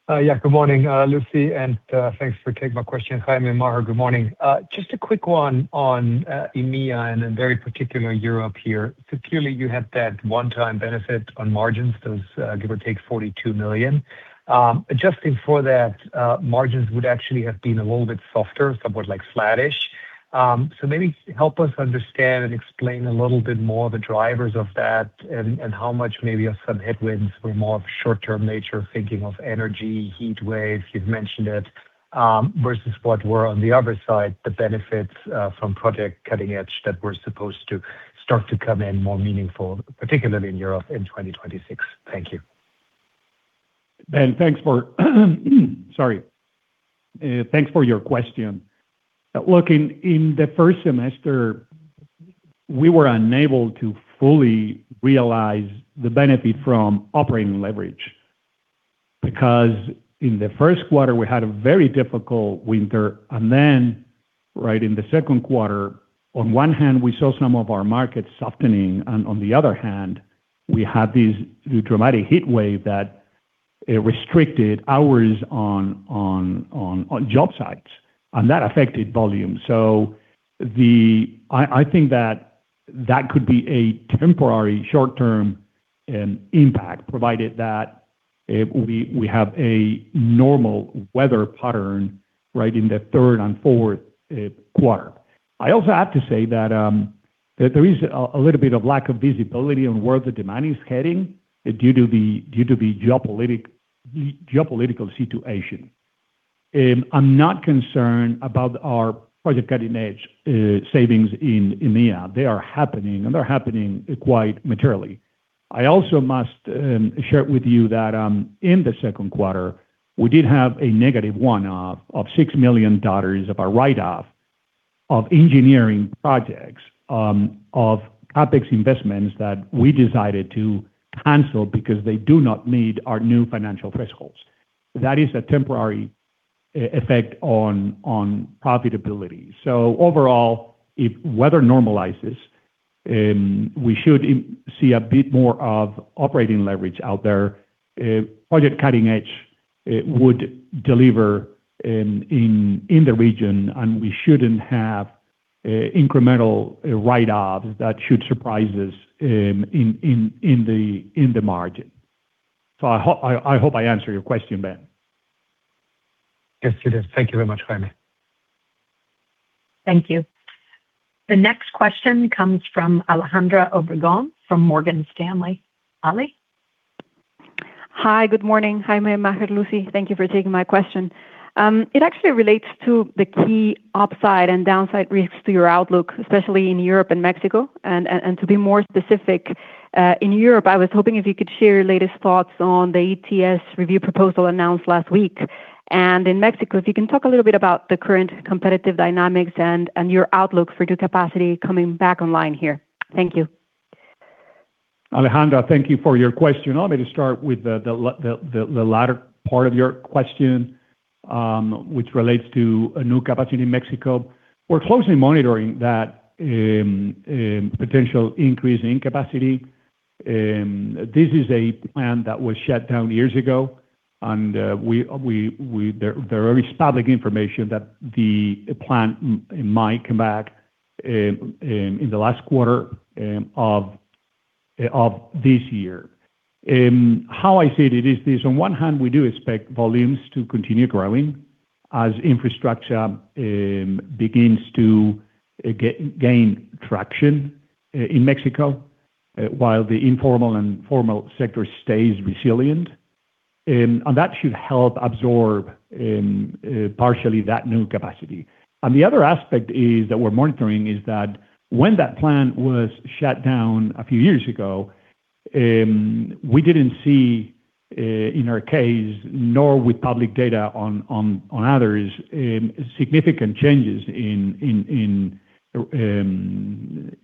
Good morning, Lucy, and thanks for taking my question. Jaime and Maher, good morning. Just a quick one on EMEA and in very particular Europe here. Clearly you had that one-time benefit on margins, those give or take $42 million. Adjusting for that, margins would actually have been a little bit softer, somewhat flattish. Maybe help us understand and explain a little bit more the drivers of that and how much maybe of some headwinds were more of short-term nature, thinking of energy, heat waves, you've mentioned it, versus what were on the other side, the benefits from Project Cutting Edge that were supposed to start to come in more meaningful, particularly in Europe in 2026. Thank you. Ben, thanks for your question. Look, in the first semester, we were unable to fully realize the benefit from operating leverage, because in the first quarter, we had a very difficult winter. Right in the second quarter, on one hand, we saw some of our markets softening, and on the other hand, we had this dramatic heatwave that restricted hours on job sites, and that affected volume. I think that that could be a temporary short-term impact, provided that we have a normal weather pattern right in the third and fourth quarter. I also have to say that there is a little bit of lack of visibility on where the demand is heading due to the geopolitical situation. I'm not concerned about our Project Cutting Edge savings in EMEA. They are happening, and they're happening quite materially. I also must share with you that in the second quarter, we did have a negative one-off of $6 million of a write-off of engineering projects of CapEx investments that we decided to cancel because they do not meet our new financial thresholds. That is a temporary effect on profitability. Overall, if weather normalizes, we should see a bit more of operating leverage out there. Project Cutting Edge would deliver in the region, we shouldn't have incremental write-offs that should surprise us in the margin. I hope I answered your question, Ben. Yes, you did. Thank you very much, Jaime. Thank you. The next question comes from Alejandra Obregón from Morgan Stanley. Ale? Hi, good morning, Jaime, Maher, Lucy. Thank you for taking my question. It actually relates to the key upside and downside risks to your outlook, especially in Europe and Mexico. To be more specific, in Europe, I was hoping if you could share your latest thoughts on the ETS review proposal announced last week. In Mexico, if you can talk a little bit about the current competitive dynamics and your outlook for new capacity coming back online here. Thank you. Alejandra, thank you for your question. Allow me to start with the latter part of your question, which relates to a new capacity in Mexico. We're closely monitoring that potential increase in capacity. This is a plant that was shut down years ago, and there is public information that the plant might come back in the last quarter of this year. How I see it is this, on one hand, we do expect volumes to continue growing as infrastructure begins to gain traction in Mexico, while the informal and formal sector stays resilient. That should help absorb partially that new capacity. The other aspect that we're monitoring is that when that plant was shut down a few years ago, we didn't see, in our case, nor with public data on others, significant changes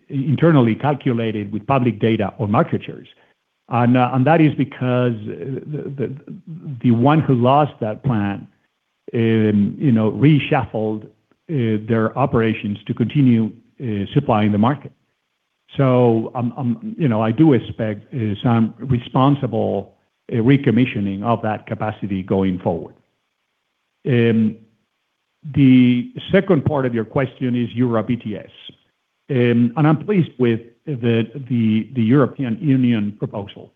internally calculated with public data on market shares. That is because the one who lost that plant reshuffled their operations to continue supplying the market. I do expect some responsible recommissioning of that capacity going forward. The second part of your question is Europe ETS, and I'm pleased with the European Union proposal.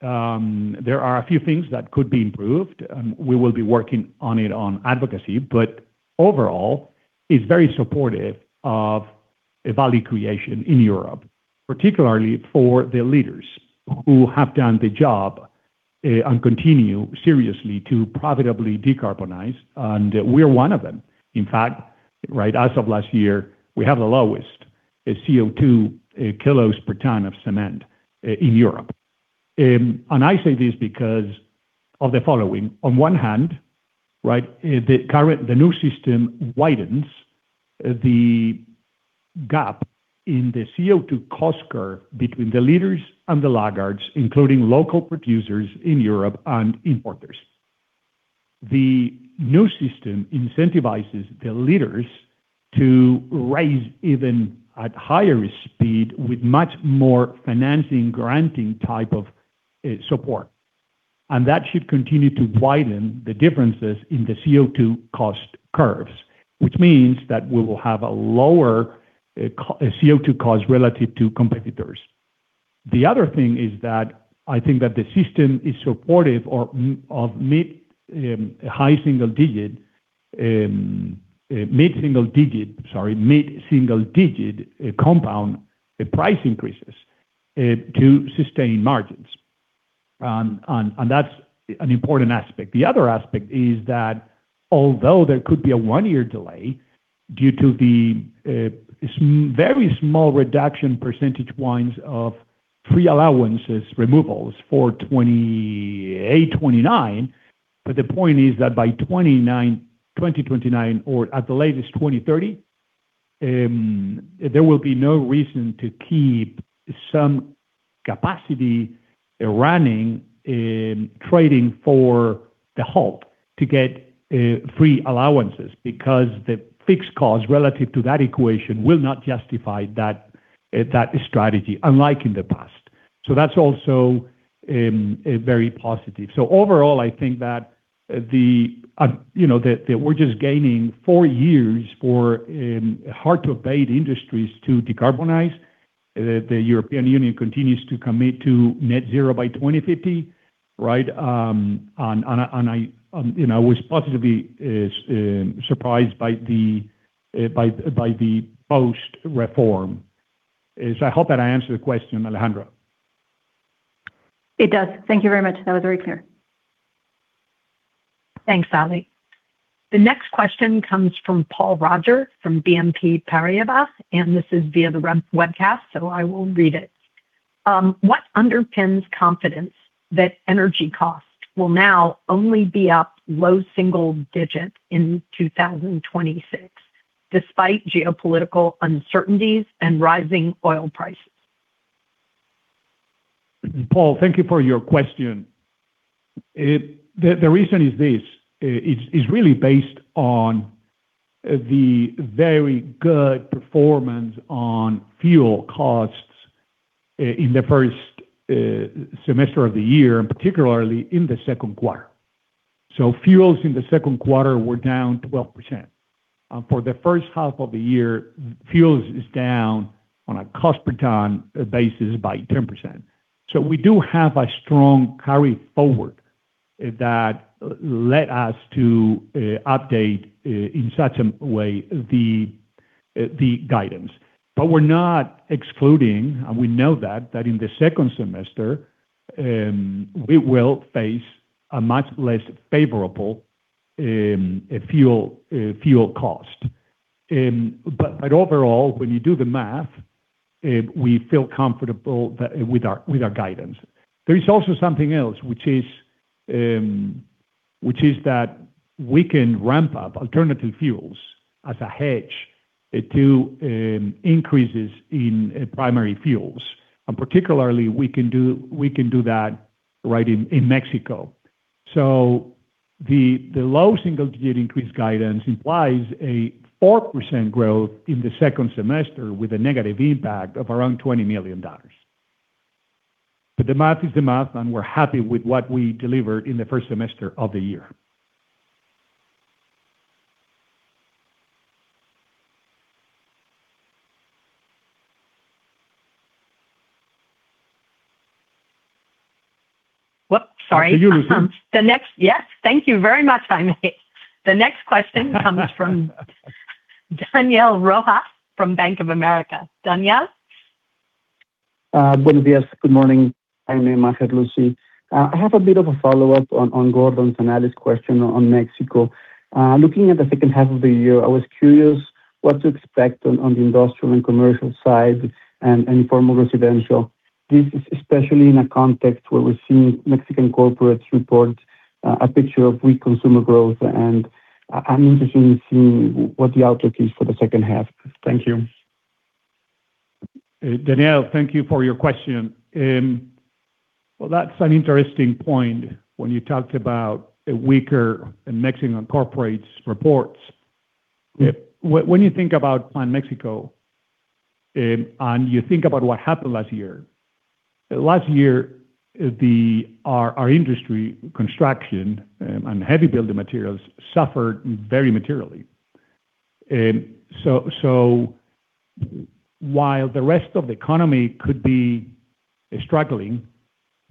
There are a few things that could be improved, and we will be working on it on advocacy, but overall, it's very supportive of value creation in Europe, particularly for the leaders who have done the job and continue seriously to profitably decarbonize. We are one of them. In fact, as of last year, we have the lowest CO2 kilos per ton of cement in Europe. I say this because of the following. On one hand, the new system widens the gap in the CO2 cost curve between the leaders and the laggards, including local producers in Europe and importers. The new system incentivizes the leaders to raise even at higher speed with much more financing, granting type of support. That should continue to widen the differences in the CO2 cost curves, which means that we will have a lower CO2 cost relative to competitors. The other thing is that I think that the system is supportive of mid-single digit compound price increases to sustain margins. That's an important aspect. The other aspect is that although there could be a one-year delay due to the very small reduction percentage points of free allowances removals for 2028, 2029. The point is that by 2029 or at the latest 2030, there will be no reason to keep some capacity running trading for the haul to get free allowances because the fixed cost relative to that equation will not justify that strategy, unlike in the past. That's also very positive. Overall, I think that we're just gaining four years for hard-to-abate industries to decarbonize. The European Union continues to commit to net zero by 2050. Right? I was positively surprised by the post-reform. I hope that I answered the question, Alejandra. It does. Thank you very much. That was very clear. Thanks, Ale. The next question comes from Paul Roger from BNP Paribas. This is via the webcast, I will read it. What underpins confidence that energy cost will now only be up low single digits in 2026, despite geopolitical uncertainties and rising oil prices? Paul, thank you for your question. The reason is this. It's really based on the very good performance on fuel costs in the first semester of the year, particularly in the second quarter. Fuels in the second quarter were down 12%. For the first half of the year, fuels is down on a cost-per-ton basis by 10%. We do have a strong carry forward that led us to update, in such a way, the guidance. We're not excluding, we know that in the second semester, we will face a much less favorable fuel cost. Overall, when you do the math, we feel comfortable with our guidance. There is also something else, which is that we can ramp up alternative fuels as a hedge to increases in primary fuels. Particularly, we can do that right in Mexico. The low single-digit increase guidance implies a 4% growth in the second semester with a negative impact of around $20 million. The math is the math, and we're happy with what we delivered in the first semester of the year. Whoop, sorry. Did you receive? Yes. Thank you very much, Jaime. The next question comes from Daniel Rojas from Bank of America. Daniel? Buenos días. Good morning, Jaime, Maher, Lucy. I have a bit of a follow-up on Gordon's analysis question on Mexico. Looking at the second half of the year, I was curious what to expect on the industrial and commercial side and informal residential. This is especially in a context where we're seeing Mexican corporates report a picture of weak consumer growth, and I'm interested in seeing what the outlook is for the second half. Thank you. Daniel, thank you for your question. Well, that's an interesting point when you talked about weaker Mexican corporates reports. When you think about Mexico, you think about what happened last year. Last year, our industry construction and heavy building materials suffered very materially. While the rest of the economy could be struggling,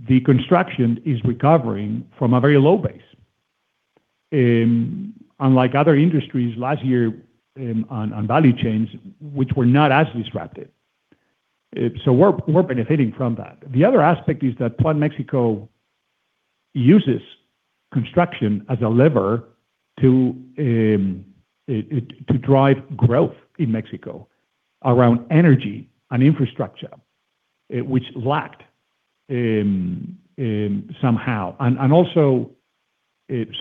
the construction is recovering from a very low base. Unlike other industries last year on value chains, which were not as disrupted. We're benefiting from that. The other aspect is that Plan Mexico uses construction as a lever to drive growth in Mexico around energy and infrastructure, which lacked somehow, and also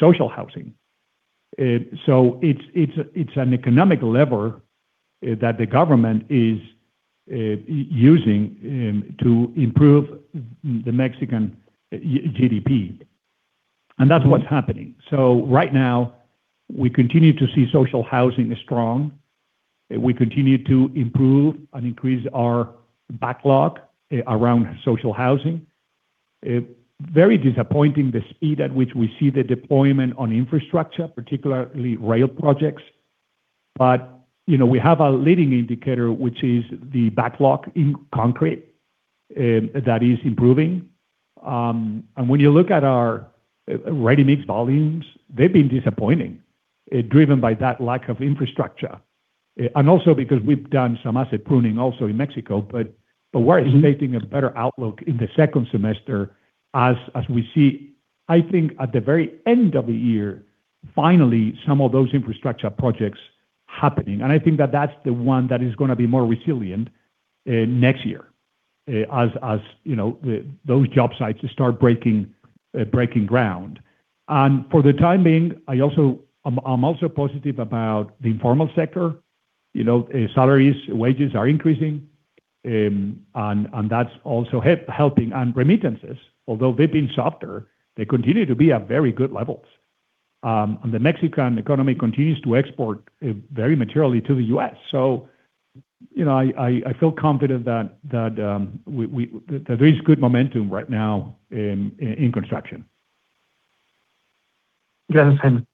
social housing. It's an economic lever that the government is using to improve the Mexican GDP, and that's what's happening. Right now, we continue to see social housing is strong. We continue to improve and increase our backlog around social housing. Very disappointing the speed at which we see the deployment on infrastructure, particularly rail projects. We have a leading indicator, which is the backlog in concrete, that is improving. When you look at our ready-mix volumes, they've been disappointing, driven by that lack of infrastructure. Also because we've done some asset pruning also in Mexico. We're anticipating a better outlook in the second semester as we see, I think, at the very end of the year, finally, some of those infrastructure projects happening. I think that that's the one that is going to be more resilient next year, as those job sites start breaking ground. For the time being, I'm also positive about the informal sector. Salaries, wages are increasing, and that's also helping. Remittances, although they've been softer, they continue to be at very good levels. The Mexican economy continues to export very materially to the U.S. I feel confident that there is good momentum right now in construction. Thanks, Jaime.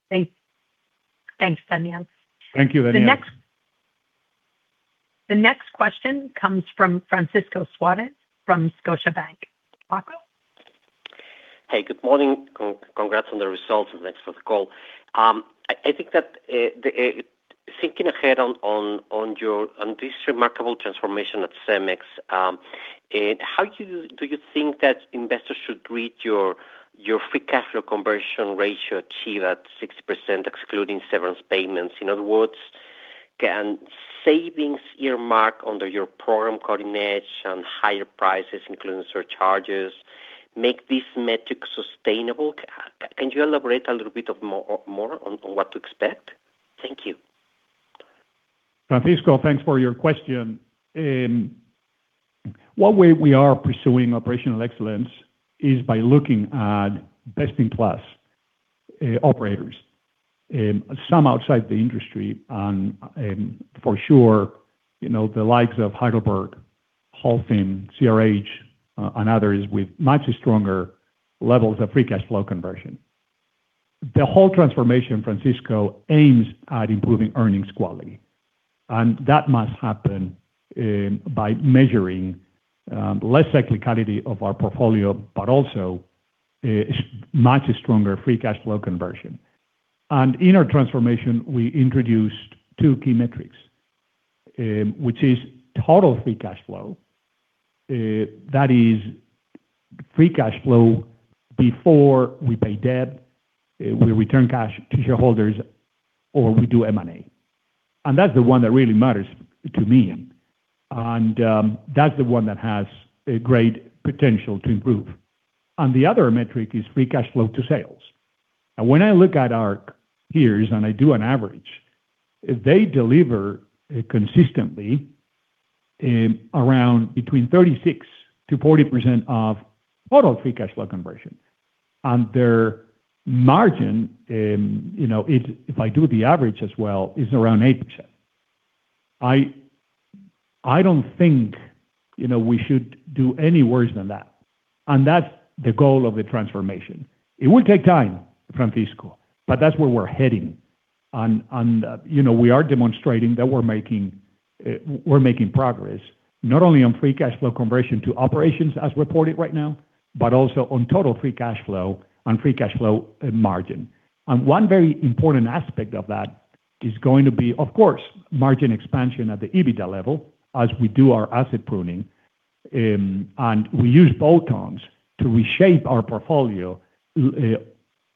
Thanks, Daniel. Thank you, Daniel. The next question comes from Francisco Suarez from Scotiabank. Paco? Hey, good morning. Congrats on the results, and thanks for the call. I think that thinking ahead on this remarkable transformation at CEMEX, how do you think that investors should read your free cash flow conversion ratio achieved at 60%, excluding severance payments? In other words, can savings earmarked under your program, Project Cutting Edge, and higher prices, including surcharges, make this metric sustainable? Can you elaborate a little bit more on what to expect? Thank you. Francisco, thanks for your question. One way we are pursuing operational excellence is by looking at best-in-class operators, some outside the industry, for sure, the likes of Heidelberg, Holcim, CRH, and others with much stronger levels of free cash flow conversion. The whole transformation, Francisco, aims at improving earnings quality, and that must happen by measuring less cyclicality of our portfolio, but also much stronger free cash flow conversion. In our transformation, we introduced two key metrics, which is total free cash flow. That is free cash flow before we pay debt, we return cash to shareholders, or we do M&A. That's the one that really matters to me, and that's the one that has a great potential to improve. The other metric is free cash flow to sales. When I look at our peers, and I do an average, they deliver consistently around between 36%-40% of total free cash flow conversion. Their margin, if I do the average as well, is around 8%. I don't think we should do any worse than that. That's the goal of the transformation. It will take time, Francisco, but that's where we're heading. We are demonstrating that we're making progress, not only on free cash flow conversion to operations as reported right now, but also on total free cash flow and free cash flow margin. One very important aspect of that is going to be, of course, margin expansion at the EBITDA level as we do our asset pruning. We use bolt-ons to reshape our portfolio,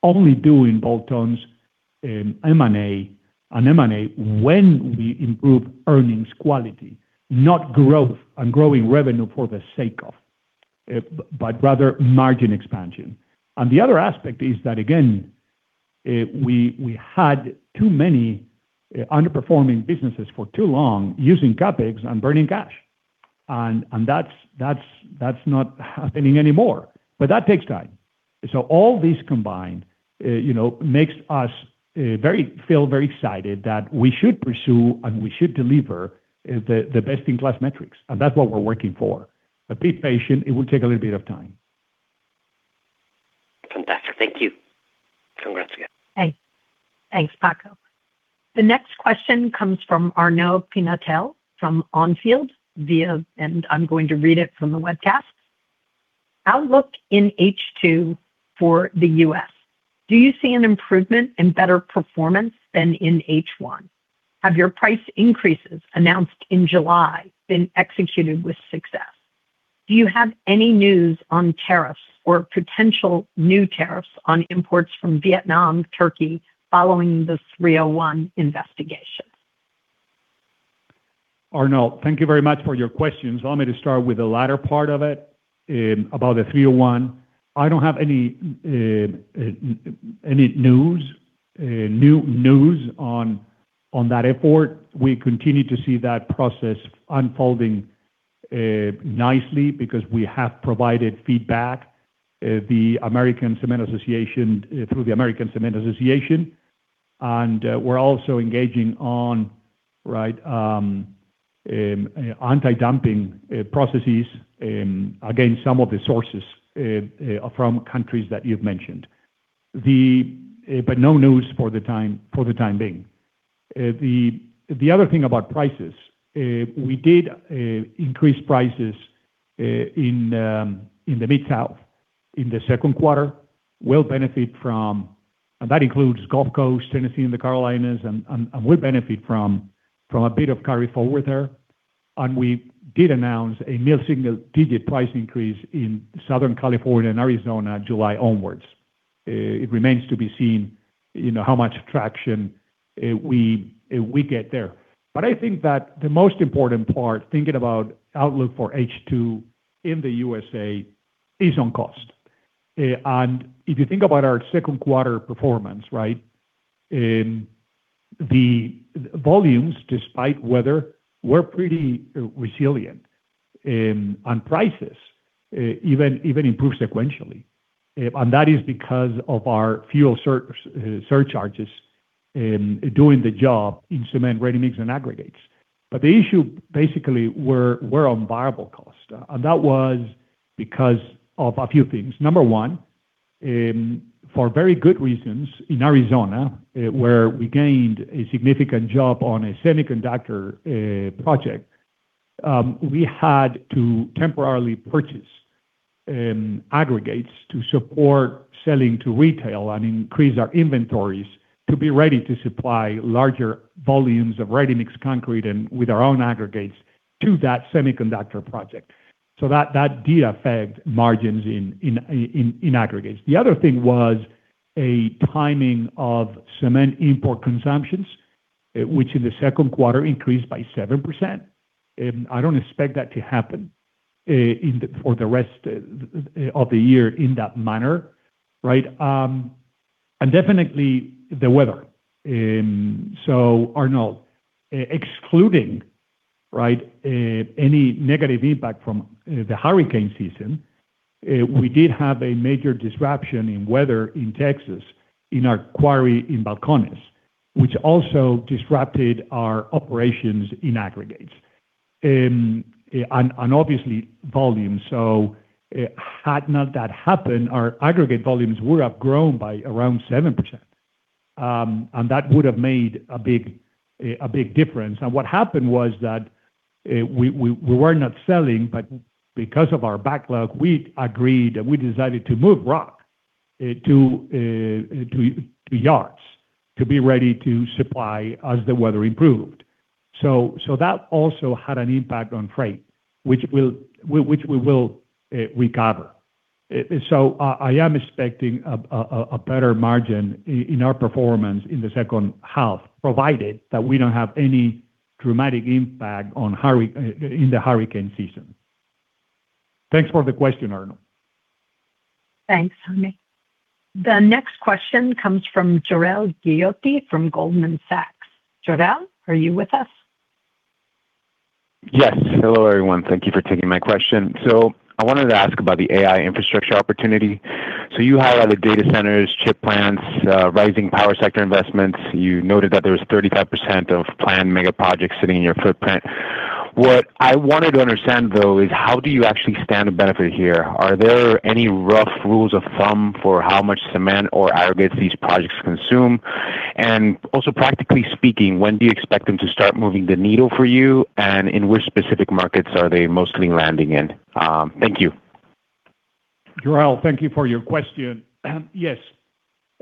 only doing bolt-ons and M&A when we improve earnings quality, not growth and growing revenue for the sake of, but rather margin expansion. The other aspect is that, again, we had too many underperforming businesses for too long using CapEx and burning cash. That's not happening anymore. That takes time. All this combined makes us feel very excited that we should pursue and we should deliver the best-in-class metrics. That's what we're working for. Be patient, it will take a little bit of time. Fantastic. Thank you. Congrats again. Hey. Thanks, Paco. The next question comes from Arnaud Pinatel from On Field and I'm going to read it from the webcast Outlook in H2 for the U.S. Do you see an improvement and better performance than in H1? Have your price increases announced in July been executed with success? Do you have any news on tariffs or potential new tariffs on imports from Vietnam, Turkey, following the 301 investigation? Arnaud, thank you very much for your questions. Allow me to start with the latter part of it, about the 301. I don't have any news on that effort. We continue to see that process unfolding nicely because we have provided feedback through the American Cement Association, and we're also engaging on anti-dumping processes against some of the sources from countries that you've mentioned. No news for the time being. The other thing about prices, we did increase prices in the Mid-South in the second quarter. That includes Gulf Coast, Tennessee, and the Carolinas, and we benefit from a bit of carry forward there. We did announce a mid-single-digit price increase in Southern California and Arizona, July onwards. It remains to be seen how much traction we get there. I think that the most important part, thinking about outlook for H2 in the U.S.A., is on cost. If you think about our second quarter performance, the volumes, despite weather, were pretty resilient. Prices even improved sequentially. That is because of our fuel surcharges doing the job in cement ready-mix and aggregates. The issue, basically, we're on variable cost. That was because of a few things. Number one, for very good reasons, in Arizona, where we gained a significant job on a semiconductor project, we had to temporarily purchase aggregates to support selling to retail and increase our inventories to be ready to supply larger volumes of ready-mix concrete and with our own aggregates to that semiconductor project. That did affect margins in aggregates. The other thing was a timing of cement import consumptions, which in the second quarter increased by 7%. I don't expect that to happen for the rest of the year in that manner. Definitely the weather. Arnaud, excluding any negative impact from the hurricane season, we did have a major disruption in weather in Texas in our quarry in Balcones, which also disrupted our operations in aggregates, and obviously volume. Had none of that happened, our aggregate volumes would have grown by around 7%, and that would have made a big difference. Now, what happened was that we were not selling, because of our backlog, we agreed and we decided to move rock to yards to be ready to supply as the weather improved. That also had an impact on freight, which we will recover. I am expecting a better margin in our performance in the second half, provided that we don't have any dramatic impact in the hurricane season. Thanks for the question, Arnaud. Thanks, Arnaud. The next question comes from Jorel Guilloty from Goldman Sachs. Jorel, are you with us? Yes. Hello, everyone. Thank you for taking my question. I wanted to ask about the AI infrastructure opportunity. You highlighted data centers, chip plants, rising power sector investments. You noted that there was 35% of planned mega projects sitting in your footprint. I wanted to understand, though, is how do you actually stand to benefit here? Are there any rough rules of thumb for how much cement or aggregates these projects consume? Practically speaking, when do you expect them to start moving the needle for you, and in which specific markets are they mostly landing in? Thank you. Jorel, thank you for your question.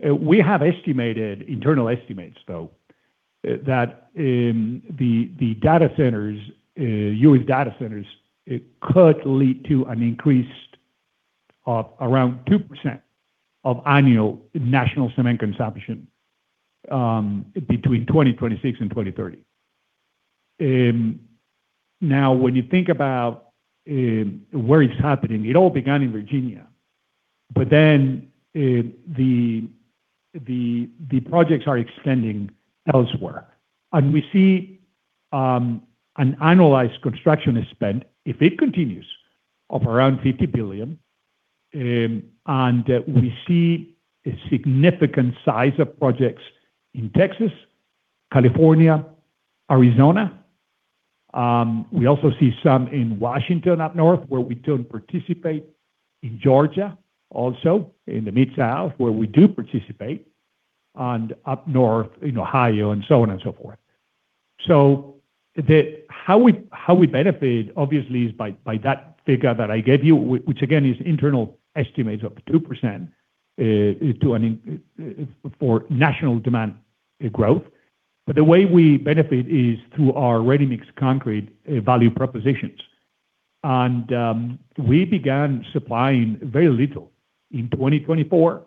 We have internal estimates, though, that the U.S. data centers could lead to an increase of around 2% of annual national cement consumption between 2026 and 2030. When you think about where it's happening, it all began in Virginia. The projects are extending elsewhere, and we see an annualized construction is spent, if it continues, of around $50 billion. We see a significant size of projects in Texas, California, Arizona. We also see some in Washington up north, where we don't participate, in Georgia also, in the Mid-South, where we do participate, and up north in Ohio, and so on and so forth. How we benefit obviously is by that figure that I gave you, which again, is internal estimates of 2% for national demand growth. The way we benefit is through our ready-mix concrete value propositions. We began supplying very little in 2024.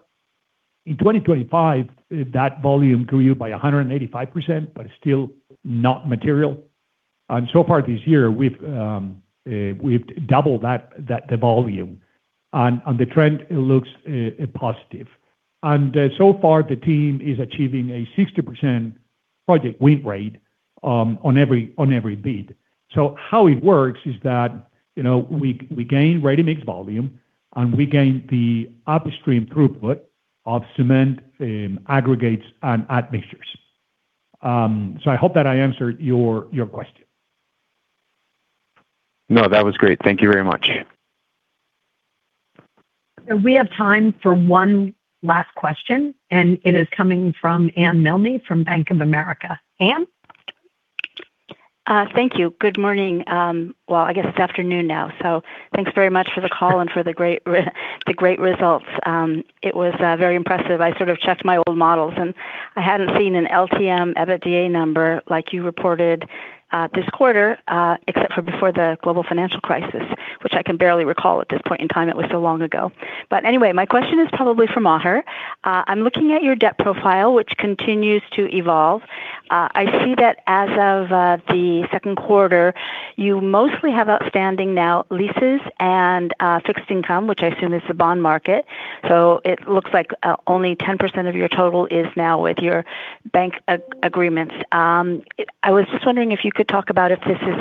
In 2025, that volume grew by 185%, but it's still not material. So far this year, we've doubled the volume, and the trend looks positive. So far, the team is achieving a 60% project win rate on every bid. How it works is that we gain ready-mix volume, and we gain the upstream throughput of cement in aggregates and admixtures. I hope that I answered your question. No, that was great. Thank you very much. We have time for one last question. It is coming from Anne Milne from Bank of America. Anne? Thank you. Good morning. I guess it's afternoon now. Thanks very much for the call and for the great results. It was very impressive. I sort of checked my old models, and I hadn't seen an LTM EBITDA number like you reported this quarter, except for before the global financial crisis, which I can barely recall at this point in time, it was so long ago. Anyway, my question is probably for Maher. I'm looking at your debt profile, which continues to evolve. I see that as of the second quarter, you mostly have outstanding now leases and fixed income, which I assume is the bond market. It looks like only 10% of your total is now with your bank agreements. I was just wondering if you could talk about if this is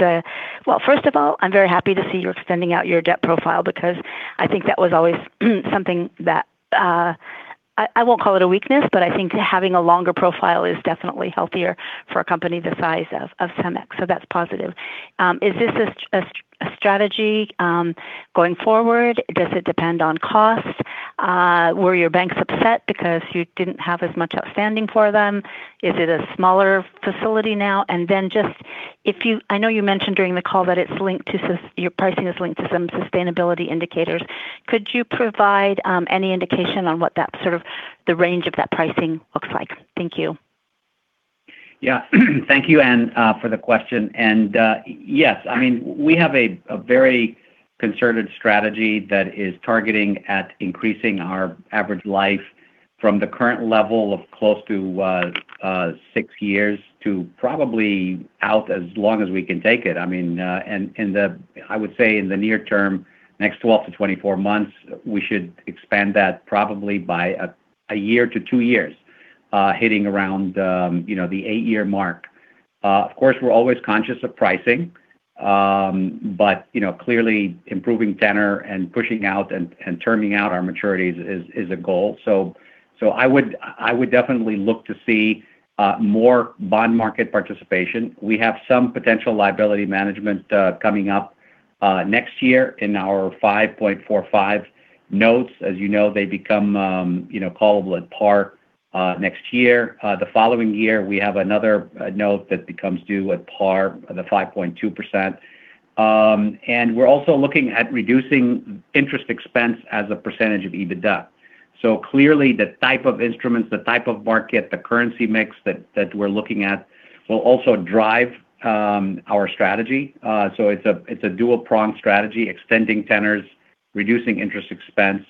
first of all, I'm very happy to see you're extending out your debt profile because I think that was always something that, I won't call it a weakness, but I think having a longer profile is definitely healthier for a company the size of CEMEX. That's positive. Is this a strategy going forward? Does it depend on cost? Were your banks upset because you didn't have as much outstanding for them? Is it a smaller facility now? Just, I know you mentioned during the call that your pricing is linked to some sustainability indicators. Could you provide any indication on what that sort of range of that pricing looks like? Thank you. Yeah. Thank you, Anne, for the question. Yes, we have a very concerted strategy that is targeting at increasing our average life from the current level of close to six years to probably out as long as we can take it. I would say in the near term, next 12 to 24 months, we should expand that probably by a year to two years, hitting around the eight-year mark. Of course, we're always conscious of pricing. Clearly, improving tenor and pushing out and terming out our maturities is a goal. I would definitely look to see more bond market participation. We have some potential liability management coming up next year in our 5.45 notes. As you know, they become callable at par next year. The following year, we have another note that becomes due at par, the 5.2%. We're also looking at reducing interest expense as a percentage of EBITDA. Clearly, the type of instruments, the type of market, the currency mix that we're looking at will also drive our strategy. It's a dual pronged strategy, extending tenors, reducing interest expense,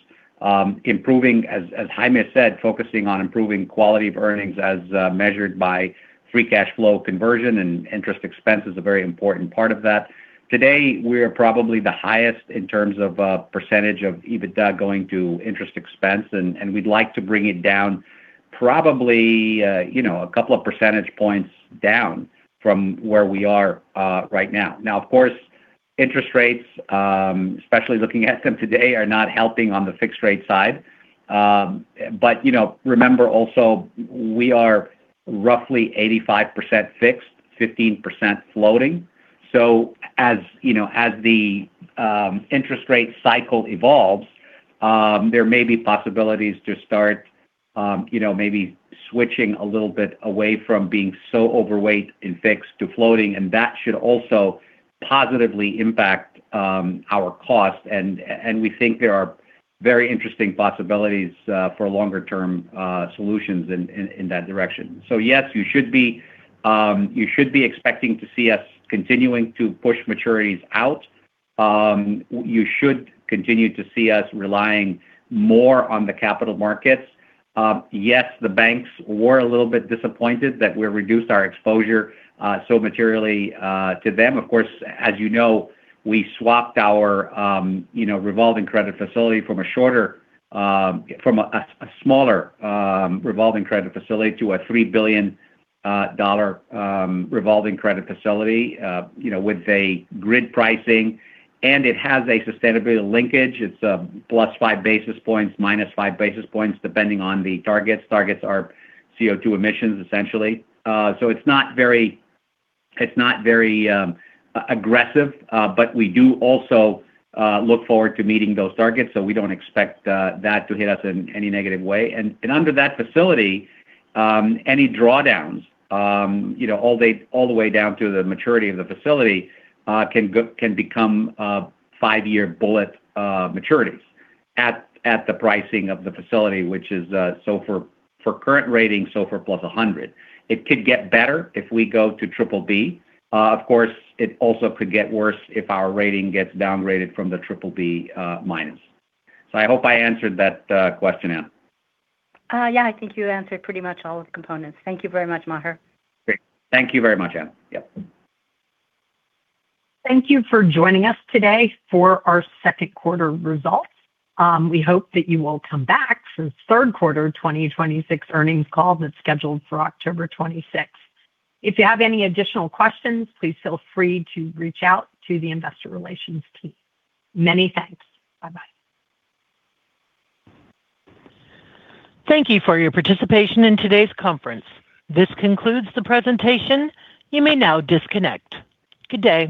as Jaime said, focusing on improving quality of earnings as measured by free cash flow conversion, and interest expense is a very important part of that. Today, we are probably the highest in terms of percentage of EBITDA going to interest expense, and we'd like to bring it down probably a couple of percentage points down from where we are right now. Of course, interest rates, especially looking at them today, are not helping on the fixed rate side. Remember also, we are roughly 85% fixed, 15% floating. As the interest rate cycle evolves, there may be possibilities to start maybe switching a little bit away from being so overweight in fixed to floating, and that should also positively impact our cost. We think there are very interesting possibilities for longer-term solutions in that direction. Yes, you should be expecting to see us continuing to push maturities out. You should continue to see us relying more on the capital markets. Yes, the banks were a little bit disappointed that we reduced our exposure so materially to them. As you know, we swapped our revolving credit facility from a smaller revolving credit facility to a $3 billion revolving credit facility with a grid pricing, and it has a sustainability linkage. It's a +5 basis points, -5 basis points, depending on the targets. Targets are CO2 emissions, essentially. It's not very aggressive. We do also look forward to meeting those targets, so we don't expect that to hit us in any negative way. Under that facility, any drawdowns all the way down to the maturity of the facility, can become 5-year bullet maturities at the pricing of the facility. For current ratings, SOFR plus 100. It could get better if we go to BBB. It also could get worse if our rating gets downgraded from the BBB-. I hope I answered that question, Anne. Yeah, I think you answered pretty much all of the components. Thank you very much, Maher. Great. Thank you very much, Anne. Thank you for joining us today for our second quarter results. We hope that you will come back for the third quarter 2026 earnings call that's scheduled for October 26th. If you have any additional questions, please feel free to reach out to the investor relations team. Many thanks. Bye-bye. Thank you for your participation in today's conference. This concludes the presentation. You may now disconnect. Good day.